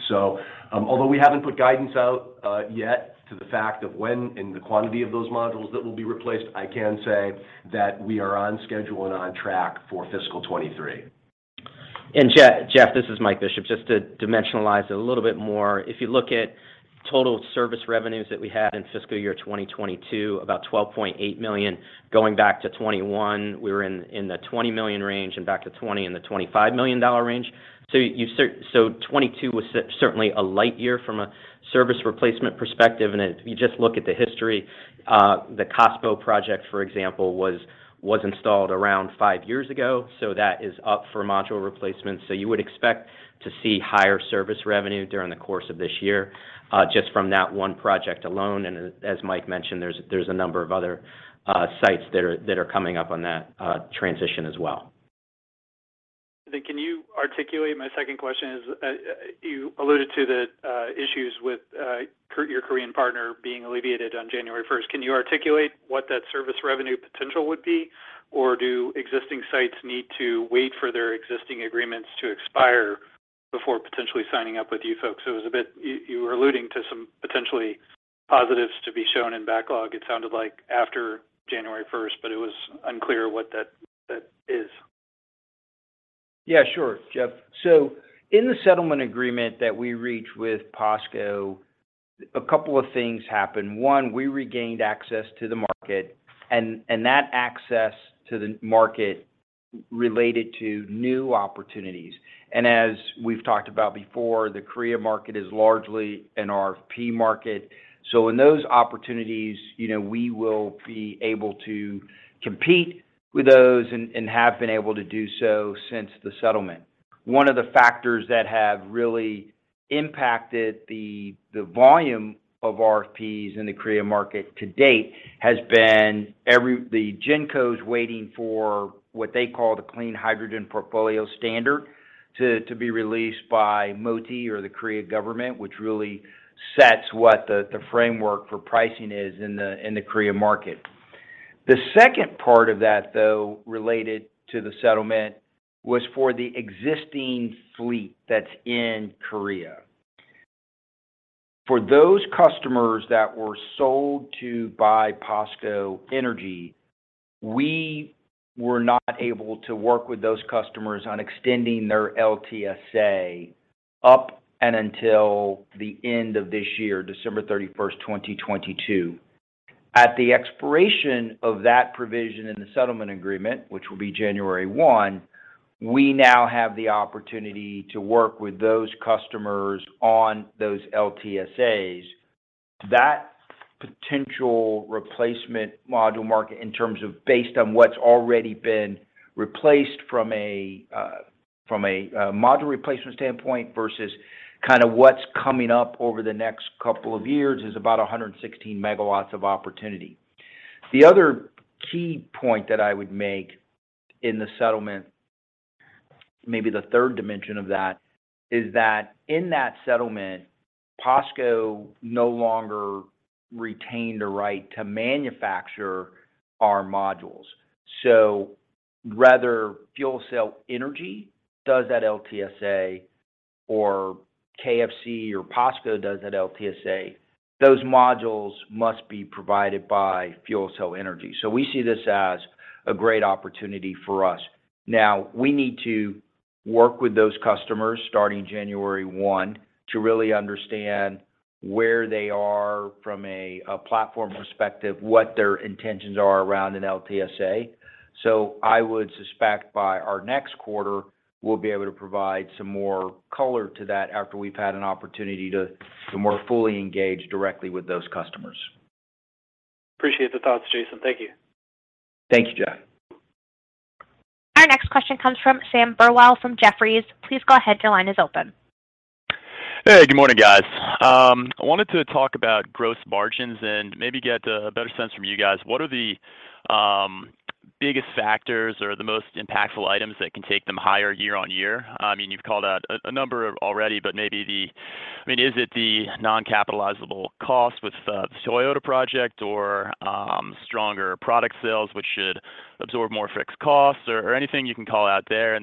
Although we haven't put guidance out yet to the fact of when and the quantity of those modules that will be replaced, I can say that we are on schedule and on track for Fiscal 23. Jeff, this is Mike Bishop. Just to dimensionalize it a little bit more, if you look at total service revenues that we had in Fiscal year 2022, about $12.8 million. Going back to 2021, we were in the $20 million range, and back to 2020 in the $25 million range. 2022 was certainly a light year from a service replacement perspective. If you just look at the history, the KOSPO project, for example, was installed around five years ago, so that is up for module replacement. You would expect to see higher service revenue during the course of this year, just from that one project alone. As Mike mentioned, there's a number of other sites that are coming up on that transition as well. Can you articulate... My second question is, you alluded to the issues with your Korean partner being alleviated on January 1st. Can you articulate what that service revenue potential would be? Do existing sites need to wait for their existing agreements to expire before potentially signing up with you folks? You were alluding to some potentially positives to be shown in backlog, it sounded like after January 1st, but it was unclear what that is. Yeah, sure, Jeff. In the settlement agreement that we reached with POSCO, a couple of things happened. One, we regained access to the market and that access to the market related to new opportunities. As we've talked about before, the Korea market is largely an RFP market. In those opportunities, you know, we will be able to compete with those and have been able to do so since the settlement. One of the factors that have really impacted the volume of RFPs in the Korea market to date has been the GenCos waiting for what they call the Clean Hydrogen Portfolio Standard to be released by MOTIE or the Korea government, which really sets what the framework for pricing is in the Korea market. The second part of that, though, related to the settlement, was for the existing fleet that's in Korea. For those customers that were sold to by POSCO Energy, we were not able to work with those customers on extending their LTSA up and until the end of this year, December 31st, 2022. At the expiration of that provision in the settlement agreement, which will be January 1, we now have the opportunity to work with those customers on those LTSAs. That potential replacement module market in terms of based on what's already been replaced from a from a module replacement standpoint versus kind of what's coming up over the next couple of years is about 116 MW of opportunity. The other key point that I would make in the settlement, maybe the third dimension of that, is that in that settlement, POSCO no longer retained the right to manufacture our modules. Rather FuelCell Energy does that LTSA or KFC or POSCO does that LTSA, those modules must be provided by FuelCell Energy. We see this as a great opportunity for us. Now, we need to work with those customers starting January 1 to really understand where they are from a platform perspective, what their intentions are around an LTSA. I would suspect by our next quarter, we'll be able to provide some more color to that after we've had an opportunity to more fully engage directly with those customers. Appreciate the thoughts, Jason. Thank you. Thank you, Jeff. Our next question comes from Sam Burwell from Jefferies. Please go ahead, your line is open. Hey, good morning, guys. I wanted to talk about gross margins and maybe get a better sense from you guys. What are the biggest factors or the most impactful items that can take them higher year-on-year? I mean, you've called out a number already, but I mean, is it the non-capitalizable cost with the Toyota project or stronger product sales, which should absorb more fixed costs or anything you can call out there?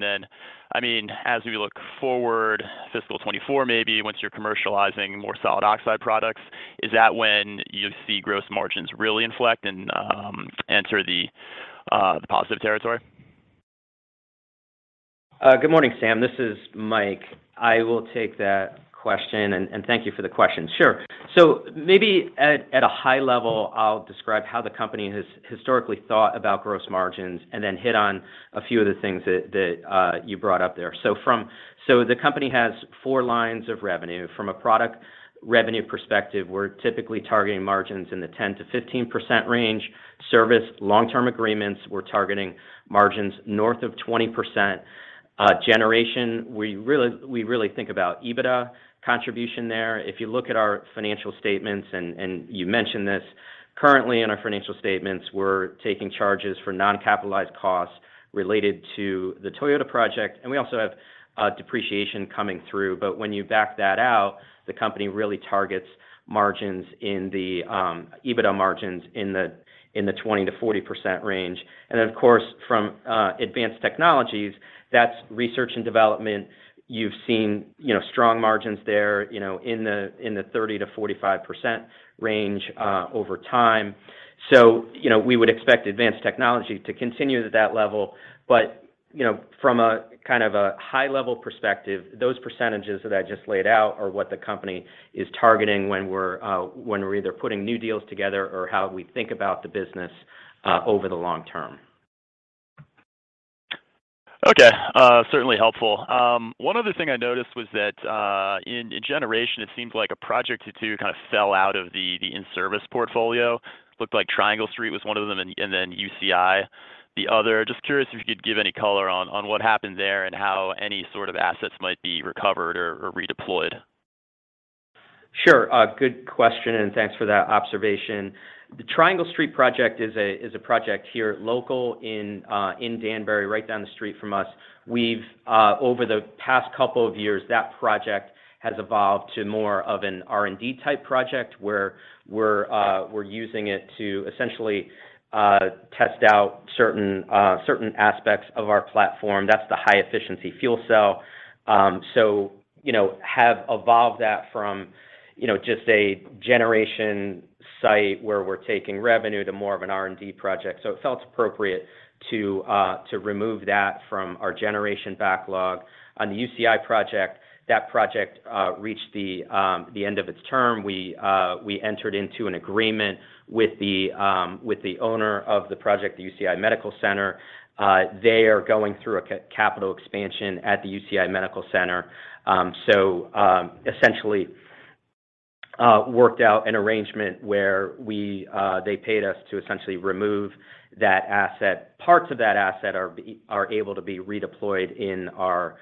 I mean, as we look forward Fiscal 2024, maybe once you're commercializing more solid oxide products, is that when you see gross margins really inflect and enter the positive territory? Good morning, Sam. This is Mike. I will take that question, and thank you for the question. Sure. Maybe at a high level, I'll describe how the company has historically thought about gross margins and then hit on a few of the things that you brought up there. The company has four lines of revenue. From a product revenue perspective, we're typically targeting margins in the 10%-15% range. Service long-term agreements, we're targeting margins north of 20%. Generation, we really think about EBITDA contribution there. If you look at our financial statements, and you mentioned this, currently in our financial statements, we're taking charges for non-capitalized costs related to the Toyota project, and we also have depreciation coming through. When you back that out, the company really targets margins in the EBITDA margins in the 20% to 40% range. Of course, from advanced technologies, that's research and development. You've seen, you know, strong margins there, you know, in the 30% to 45% range over time. You know, we would expect advanced technology to continue at that level. You know, from a kind of a high-level perspective, those percentages that I just laid out are what the company is targeting when we're either putting new deals together or how we think about the business over the long term. Certainly helpful. One other thing I noticed was that in generation, it seems like a project or two kind of fell out of the in-service portfolio. Looked like Triangle Street was one of them and then UCI the other. Just curious if you could give any color on what happened there and how any sort of assets might be recovered or redeployed. Sure. A good question, and thanks for that observation. The Triangle Street project is a project here local in Danbury, right down the street from us. We've over the past couple of years, that project has evolved to more of an R&D type project where we're using it to essentially test out certain aspects of our platform. That's the high efficiency fuel cell. You know, have evolved that from, you know, just a generation site where we're taking revenue to more of an R&D project. It felt appropriate to remove that from our generation backlog. On the UCI project, that project reached the end of its term. We entered into an agreement with the owner of the project, the UCI Medical Center. They are going through a capital expansion at the UCI Medical Center. Essentially, worked out an arrangement where we, they paid us to essentially remove that asset. Parts of that asset are able to be redeployed in our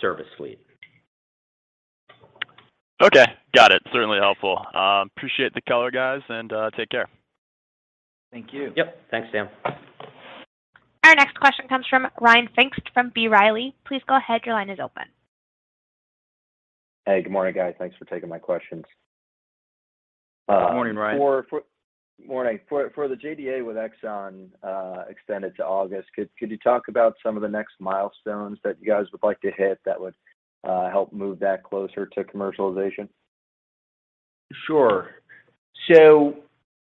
service suite. Okay. Got it. Certainly helpful. Appreciate the color, guys, and take care. Thank you. Yep. Thanks, Sam. Our next question comes from Ryan Pfingst from B. Riley. Please go ahead. Your line is open. Hey, good morning, guys. Thanks for taking my questions. Good morning, Ryan. Morning. For the JDA with ExxonMobil, extended to August, could you talk about some of the next milestones that you guys would like to hit that would help move that closer to commercialization? Sure.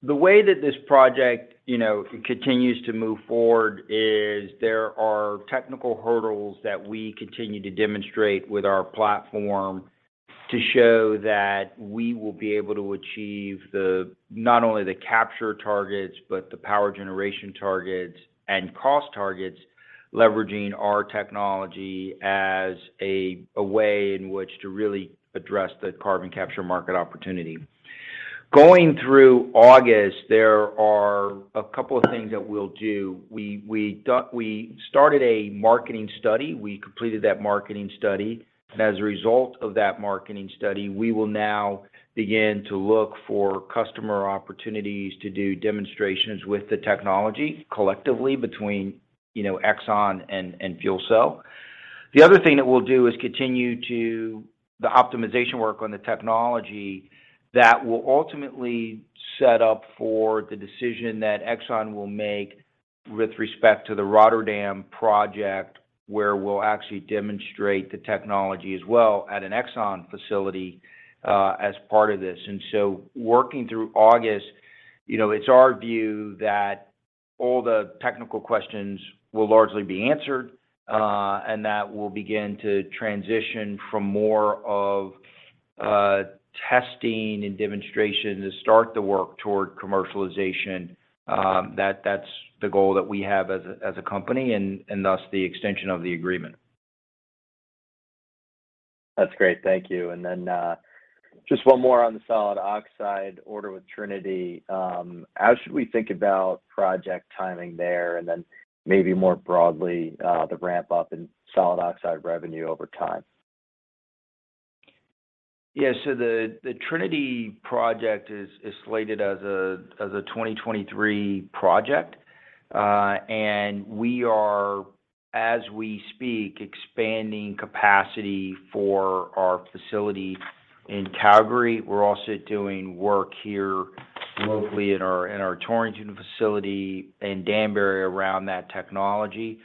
The way that this project, you know, continues to move forward is there are technical hurdles that we continue to demonstrate with our platform to show that we will be able to achieve the, not only the capture targets, but the power generation targets and cost targets, leveraging our technology as a way in which to really address the carbon capture market opportunity. Going through August, there are a couple of things that we'll do. We started a marketing study. We completed that marketing study. As a result of that marketing study, we will now begin to look for customer opportunities to do demonstrations with the technology collectively between, you know, ExxonMobil and FuelCell. The other thing that we'll do is continue to the optimization work on the technology that will ultimately set up for the decision that ExxonMobil will make with respect to the Rotterdam project, where we'll actually demonstrate the technology as well at an ExxonMobil facility, as part of this. Working through August, you know, it's our view that all the technical questions will largely be answered, and that we'll begin to transition from more of testing and demonstration to start the work toward commercialization. That's the goal that we have as a company and thus the extension of the agreement. That's great. Thank you. Just one more on the solid oxide order with Trinity. How should we think about project timing there? Maybe more broadly, the ramp up in solid oxide revenue over time. Yeah. The Trinity project is slated as a 2023 project. We are, as we speak, expanding capacity for our facility in Calgary. We're also doing work here locally in our Torrington facility in Danbury around that technology.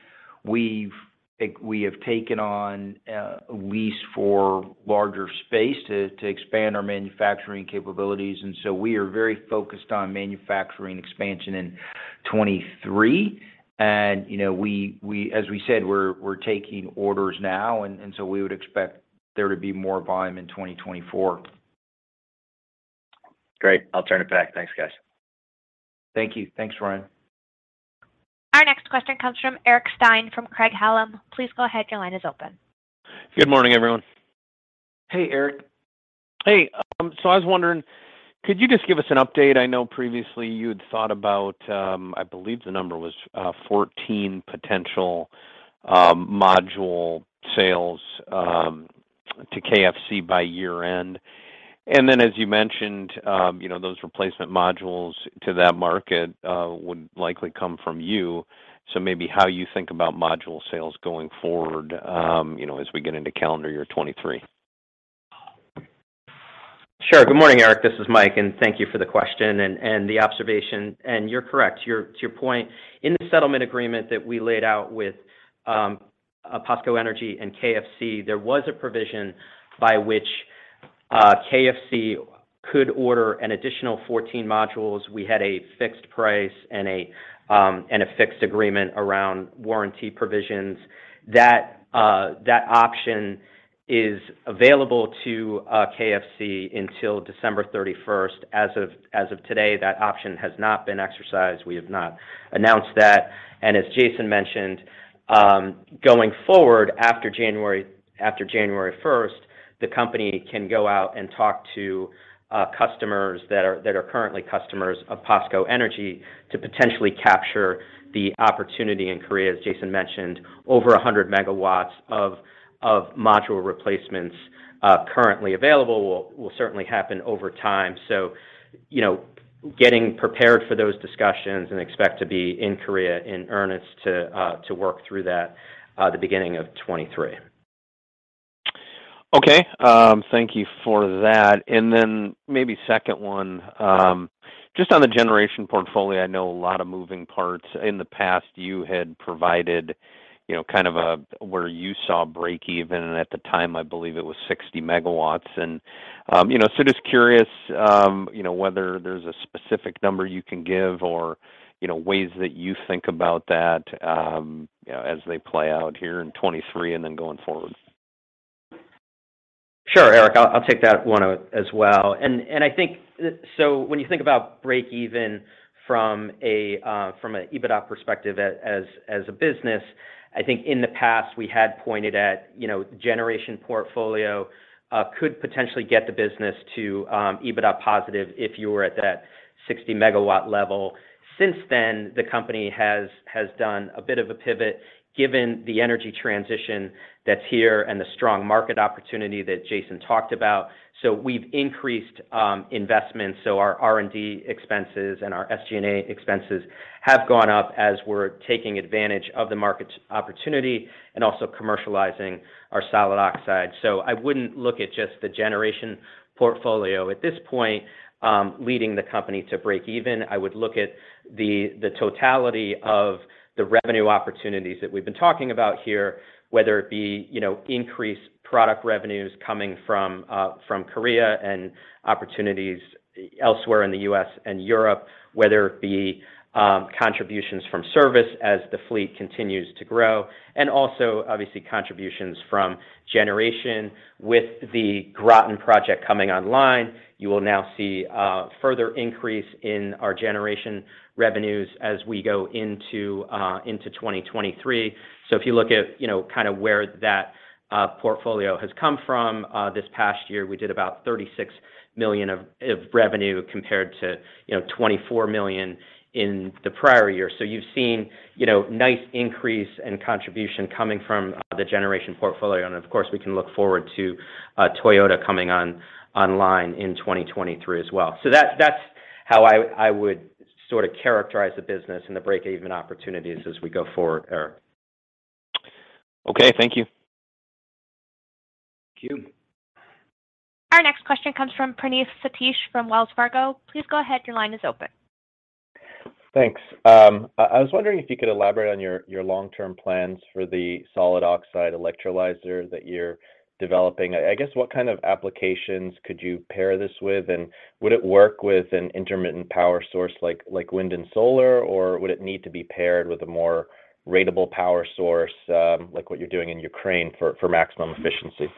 We have taken on a lease for larger space to expand our manufacturing capabilities, we are very focused on manufacturing expansion in 23. You know, as we said, we're taking orders now, we would expect there to be more volume in 2024. Great. I'll turn it back. Thanks, guys. Thank you. Thanks, Ryan. Our next question comes from Eric Stine from Craig-Hallum. Please go ahead. Your line is open. Good morning, everyone. Hey, Eric. Hey. I was wondering, could you just give us an update? I know previously you had thought about, I believe the number was 14 potential module sales to KFC by year-end. As you mentioned, you know, those replacement modules to that market would likely come from you. Maybe how you think about module sales going forward, you know, as we get into calendar year 2023. Sure. Good morning, Eric. This is Mike, and thank you for the question and the observation. You're correct. To your point, in the settlement agreement that we laid out with POSCO Energy and KFC, there was a provision by which KFC could order an additional 14 modules. We had a fixed price and a fixed agreement around warranty provisions. That option is available to KFC until December 31st. As of today, that option has not been exercised. We have not announced that. As Jason mentioned, going forward after January 1st, the company can go out and talk to customers that are currently customers of POSCO Energy to potentially capture the opportunity in Korea. As Jason mentioned, over 100 MW of module replacements currently available will certainly happen over time. You know, getting prepared for those discussions and expect to be in Korea in earnest to work through that the beginning of 2023. Okay. Thank you for that. Then maybe second one, just on the generation portfolio, I know a lot of moving parts. In the past, you had provided, you know, kind of where you saw break even, and at the time, I believe it was 60 MW. You know, so just curious, you know, whether there's a specific number you can give or, you know, ways that you think about that, you know, as they play out here in 2023 and then going forward. Sure, Eric. I'll take that one as well. When you think about break even from an EBITDA perspective as a business, I think in the past we had pointed at, you know, generation portfolio, could potentially get the business to EBITDA positive if you were at that 60 MW level. Since then, the company has done a bit of a pivot given the energy transition that's here and the strong market opportunity that Jason talked about. We've increased investments. Our R&D expenses and our SG&A expenses have gone up as we're taking advantage of the market opportunity and also commercializing our solid oxide. I wouldn't look at just the generation portfolio at this point, leading the company to break even. I would look at the totality of the revenue opportunities that we've been talking about here, whether it be, you know, increased product revenues coming from Korea and opportunities elsewhere in the U.S. and Europe, whether it be contributions from service as the fleet continues to grow, and also obviously contributions from generation. With the Groton project coming online, you will now see a further increase in our generation revenues as we go into 2023. If you look at, you know, kind of where that portfolio has come from, this past year, we did about $36 million of revenue compared to, you know, $24 million in the prior year. You've seen, you know, nice increase and contribution coming from the generation portfolio. Of course, we can look forward to Toyota coming online in 2023 as well. That's how I would sort of characterize the business and the break even opportunities as we go forward, Eric. Okay. Thank you. Thank you. Our next question comes from Praneeth Satish from Wells Fargo. Please go ahead, your line is open. Thanks. I was wondering if you could elaborate on your long-term plans for the solid oxide electrolyzer that you're developing. I guess, what kind of applications could you pair this with? Would it work with an intermittent power source like wind and solar, or would it need to be paired with a more ratable power source, like what you're doing in Ukraine for maximum efficiency?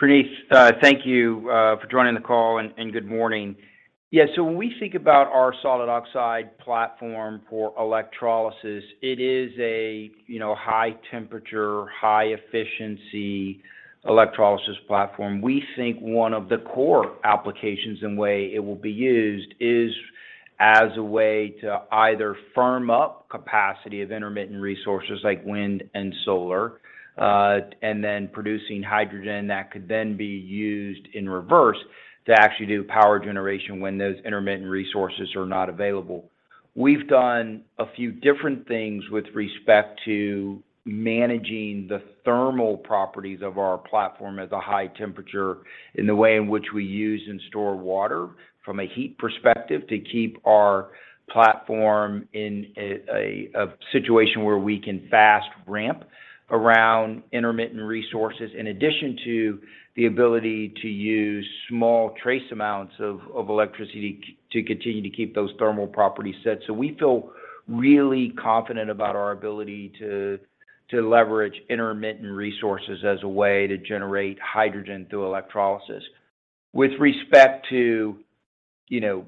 Praneeth, thank you for joining the call, and good morning. Yeah. When we think about our solid oxide platform for electrolysis, it is a, you know, high temperature, high efficiency electrolysis platform. We think one of the core applications and way it will be used is as a way to either firm up capacity of intermittent resources like wind and solar, and then producing hydrogen that could then be used in reverse to actually do power generation when those intermittent resources are not available. We've done a few different things with respect to managing the thermal properties of our platform at the high temperature in the way in which we use and store water from a heat perspective to keep our platform in a situation where we can fast ramp around intermittent resources in addition to the ability to use small trace amounts of electricity to continue to keep those thermal properties set. We feel really confident about our ability to leverage intermittent resources as a way to generate hydrogen through electrolysis. With respect to You know,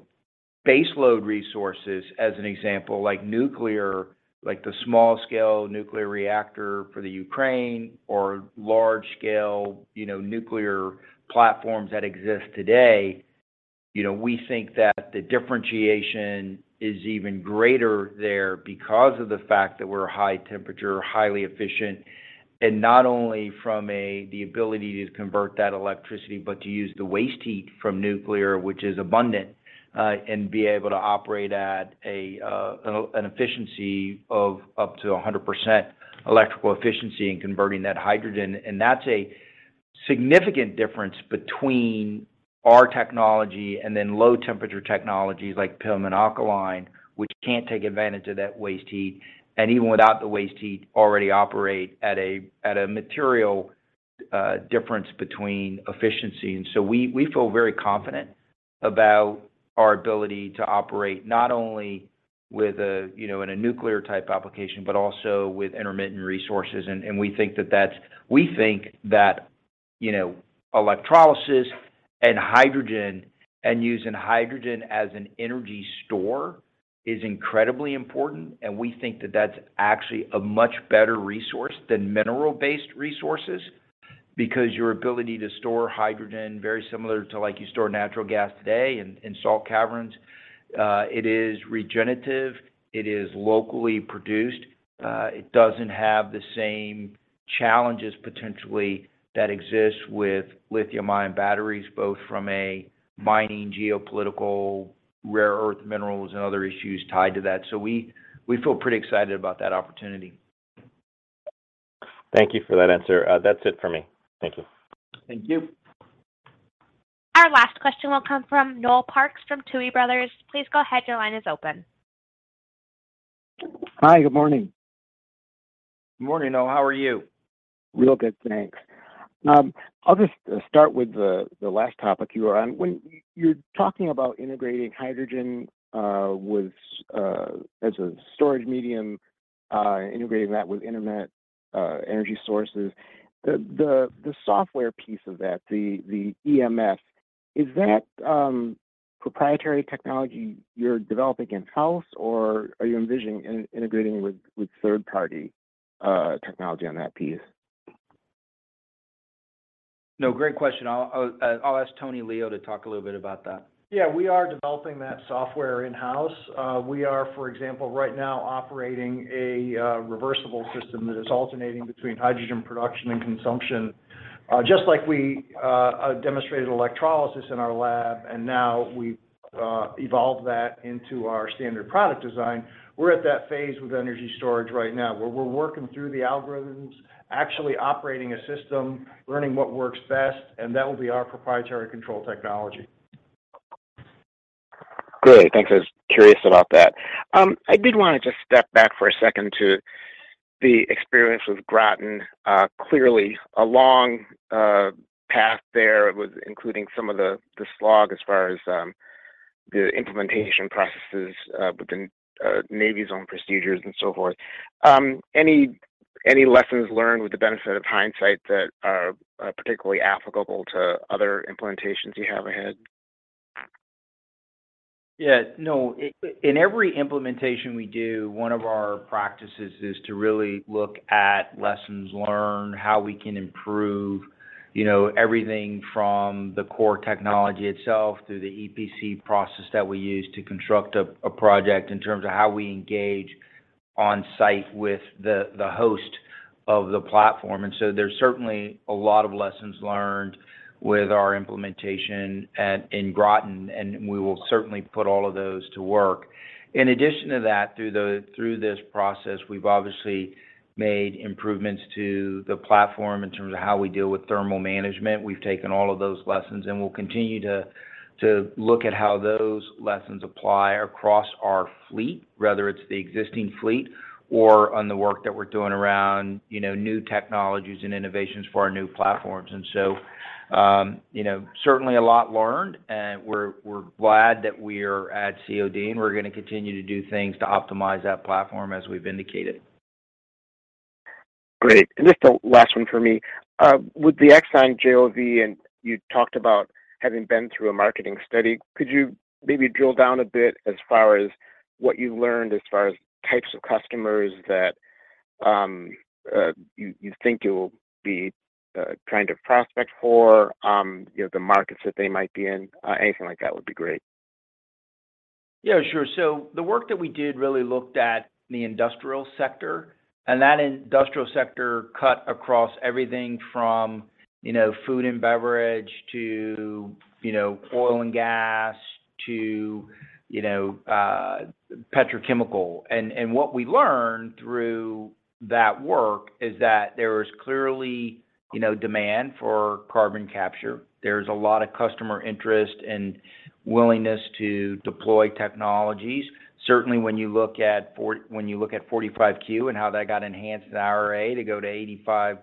baseload resources as an example, like nuclear, like the small scale nuclear reactor for the Ukraine or large scale, you know, nuclear platforms that exist today. You know, we think that the differentiation is even greater there because of the fact that we're high temperature, highly efficient, and not only from a, the ability to convert that electricity, but to use the waste heat from nuclear, which is abundant, and be able to operate at an efficiency of up to 100% electrical efficiency in converting that hydrogen. That's a significant difference between our technology and then low temperature technologies like PEM Alkaline, which can't take advantage of that waste heat. Even without the waste heat, already operate at a material difference between efficiency. We, we feel very confident about our ability to operate not only with a, you know, in a nuclear type application, but also with intermittent resources. We think that, you know, electrolysis and hydrogen, and using hydrogen as an energy store is incredibly important. We think that that's actually a much better resource than mineral based resources because your ability to store hydrogen, very similar to like you store natural gas today in salt caverns, it is regenerative, it is locally produced. It doesn't have the same challenges potentially that exist with lithium ion batteries, both from a mining geopolitical, rare earth minerals, and other issues tied to that. We, we feel pretty excited about that opportunity. Thank you for that answer. That's it for me. Thank you. Thank you. Our last question will come from Noel Parks from Tuohy Brothers. Please go ahead. Your line is open. Hi. Good morning. Morning, Noel. How are you? Real good, thanks. I'll just start with the last topic you were on. When you're talking about integrating hydrogen as a storage medium, integrating that with internet energy sources, the software piece of that, the EMS, is that proprietary technology you're developing in-house, or are you envisioning integrating with third party technology on that piece? No, great question. I'll ask Tony Leo to talk a little bit about that. Yeah, we are developing that software in-house. We are, for example, right now operating a reversible system that is alternating between hydrogen production and consumption. Just like we demonstrated electrolysis in our lab, and now we've evolved that into our standard product design. We're at that phase with energy storage right now, where we're working through the algorithms, actually operating a system, learning what works best, and that will be our proprietary control technology. Great. Thanks. I was curious about that. I did wanna just step back for a second to the experience with Groton. Clearly a long path there with including some of the slog as far as the implementation processes within Navy's own procedures and so forth. Any lessons learned with the benefit of hindsight that are particularly applicable to other implementations you have ahead? Yeah. In every implementation we do, one of our practices is to really look at lessons learned, how we can improve, you know, everything from the core technology itself to the EPC process that we use to construct a project in terms of how we engage on site with the host of the platform. There's certainly a lot of lessons learned with our implementation in Groton, and we will certainly put all of those to work. In addition to that, through this process, we've obviously made improvements to the platform in terms of how we deal with thermal management. We've taken all of those lessons, and we'll continue to look at how those lessons apply across our fleet, whether it's the existing fleet or on the work that we're doing around, you know, new technologies and innovations for our new platforms. You know, certainly a lot learned, and we're glad that we're at COD, and we're gonna continue to do things to optimize that platform as we've indicated. Great. Just a last one for me. With the ExxonMobil JDA, and you talked about having been through a marketing study, could you maybe drill down a bit as far as what you learned as far as types of customers that you think you'll be trying to prospect for, you know, the markets that they might be in? Anything like that would be great. Yeah, sure. The work that we did really looked at the industrial sector, and that industrial sector cut across everything from, you know, food and beverage to, you know, oil and gas to, you know, petrochemical. What we learned through that work is that there is clearly, you know, demand for carbon capture. There's a lot of customer interest and willingness to deploy technologies. Certainly when you look at 45Q and how that got enhanced in the IRA to go to $85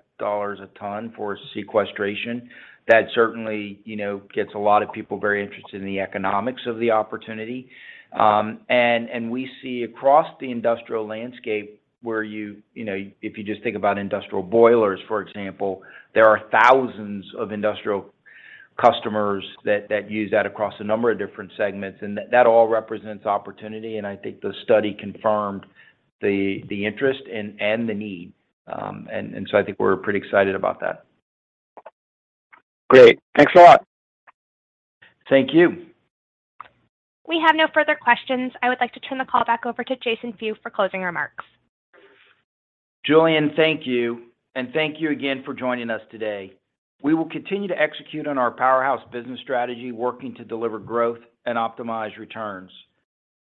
a ton for sequestration, that certainly, you know, gets a lot of people very interested in the economics of the opportunity. We see across the industrial landscape where you know, if you just think about industrial boilers, for example, there are thousands of industrial customers that use that across a number of different segments, and that all represents opportunity. I think the study confirmed the interest and the need. I think we're pretty excited about that. Great. Thanks a lot. Thank you. We have no further questions. I would like to turn the call back over to Jason Few for closing remarks. Julian, thank you. Thank you again for joining us today. We will continue to execute on our Powerhouse business strategy, working to deliver growth and optimize returns.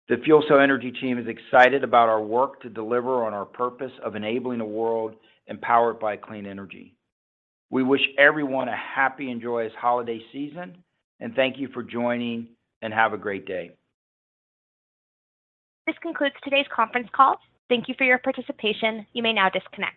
The FuelCell Energy team is excited about our work to deliver on our purpose of enabling a world empowered by clean energy. We wish everyone a happy, joyous holiday season. Thank you for joining and have a great day. This concludes today's conference call. Thank you for your participation. You may now disconnect.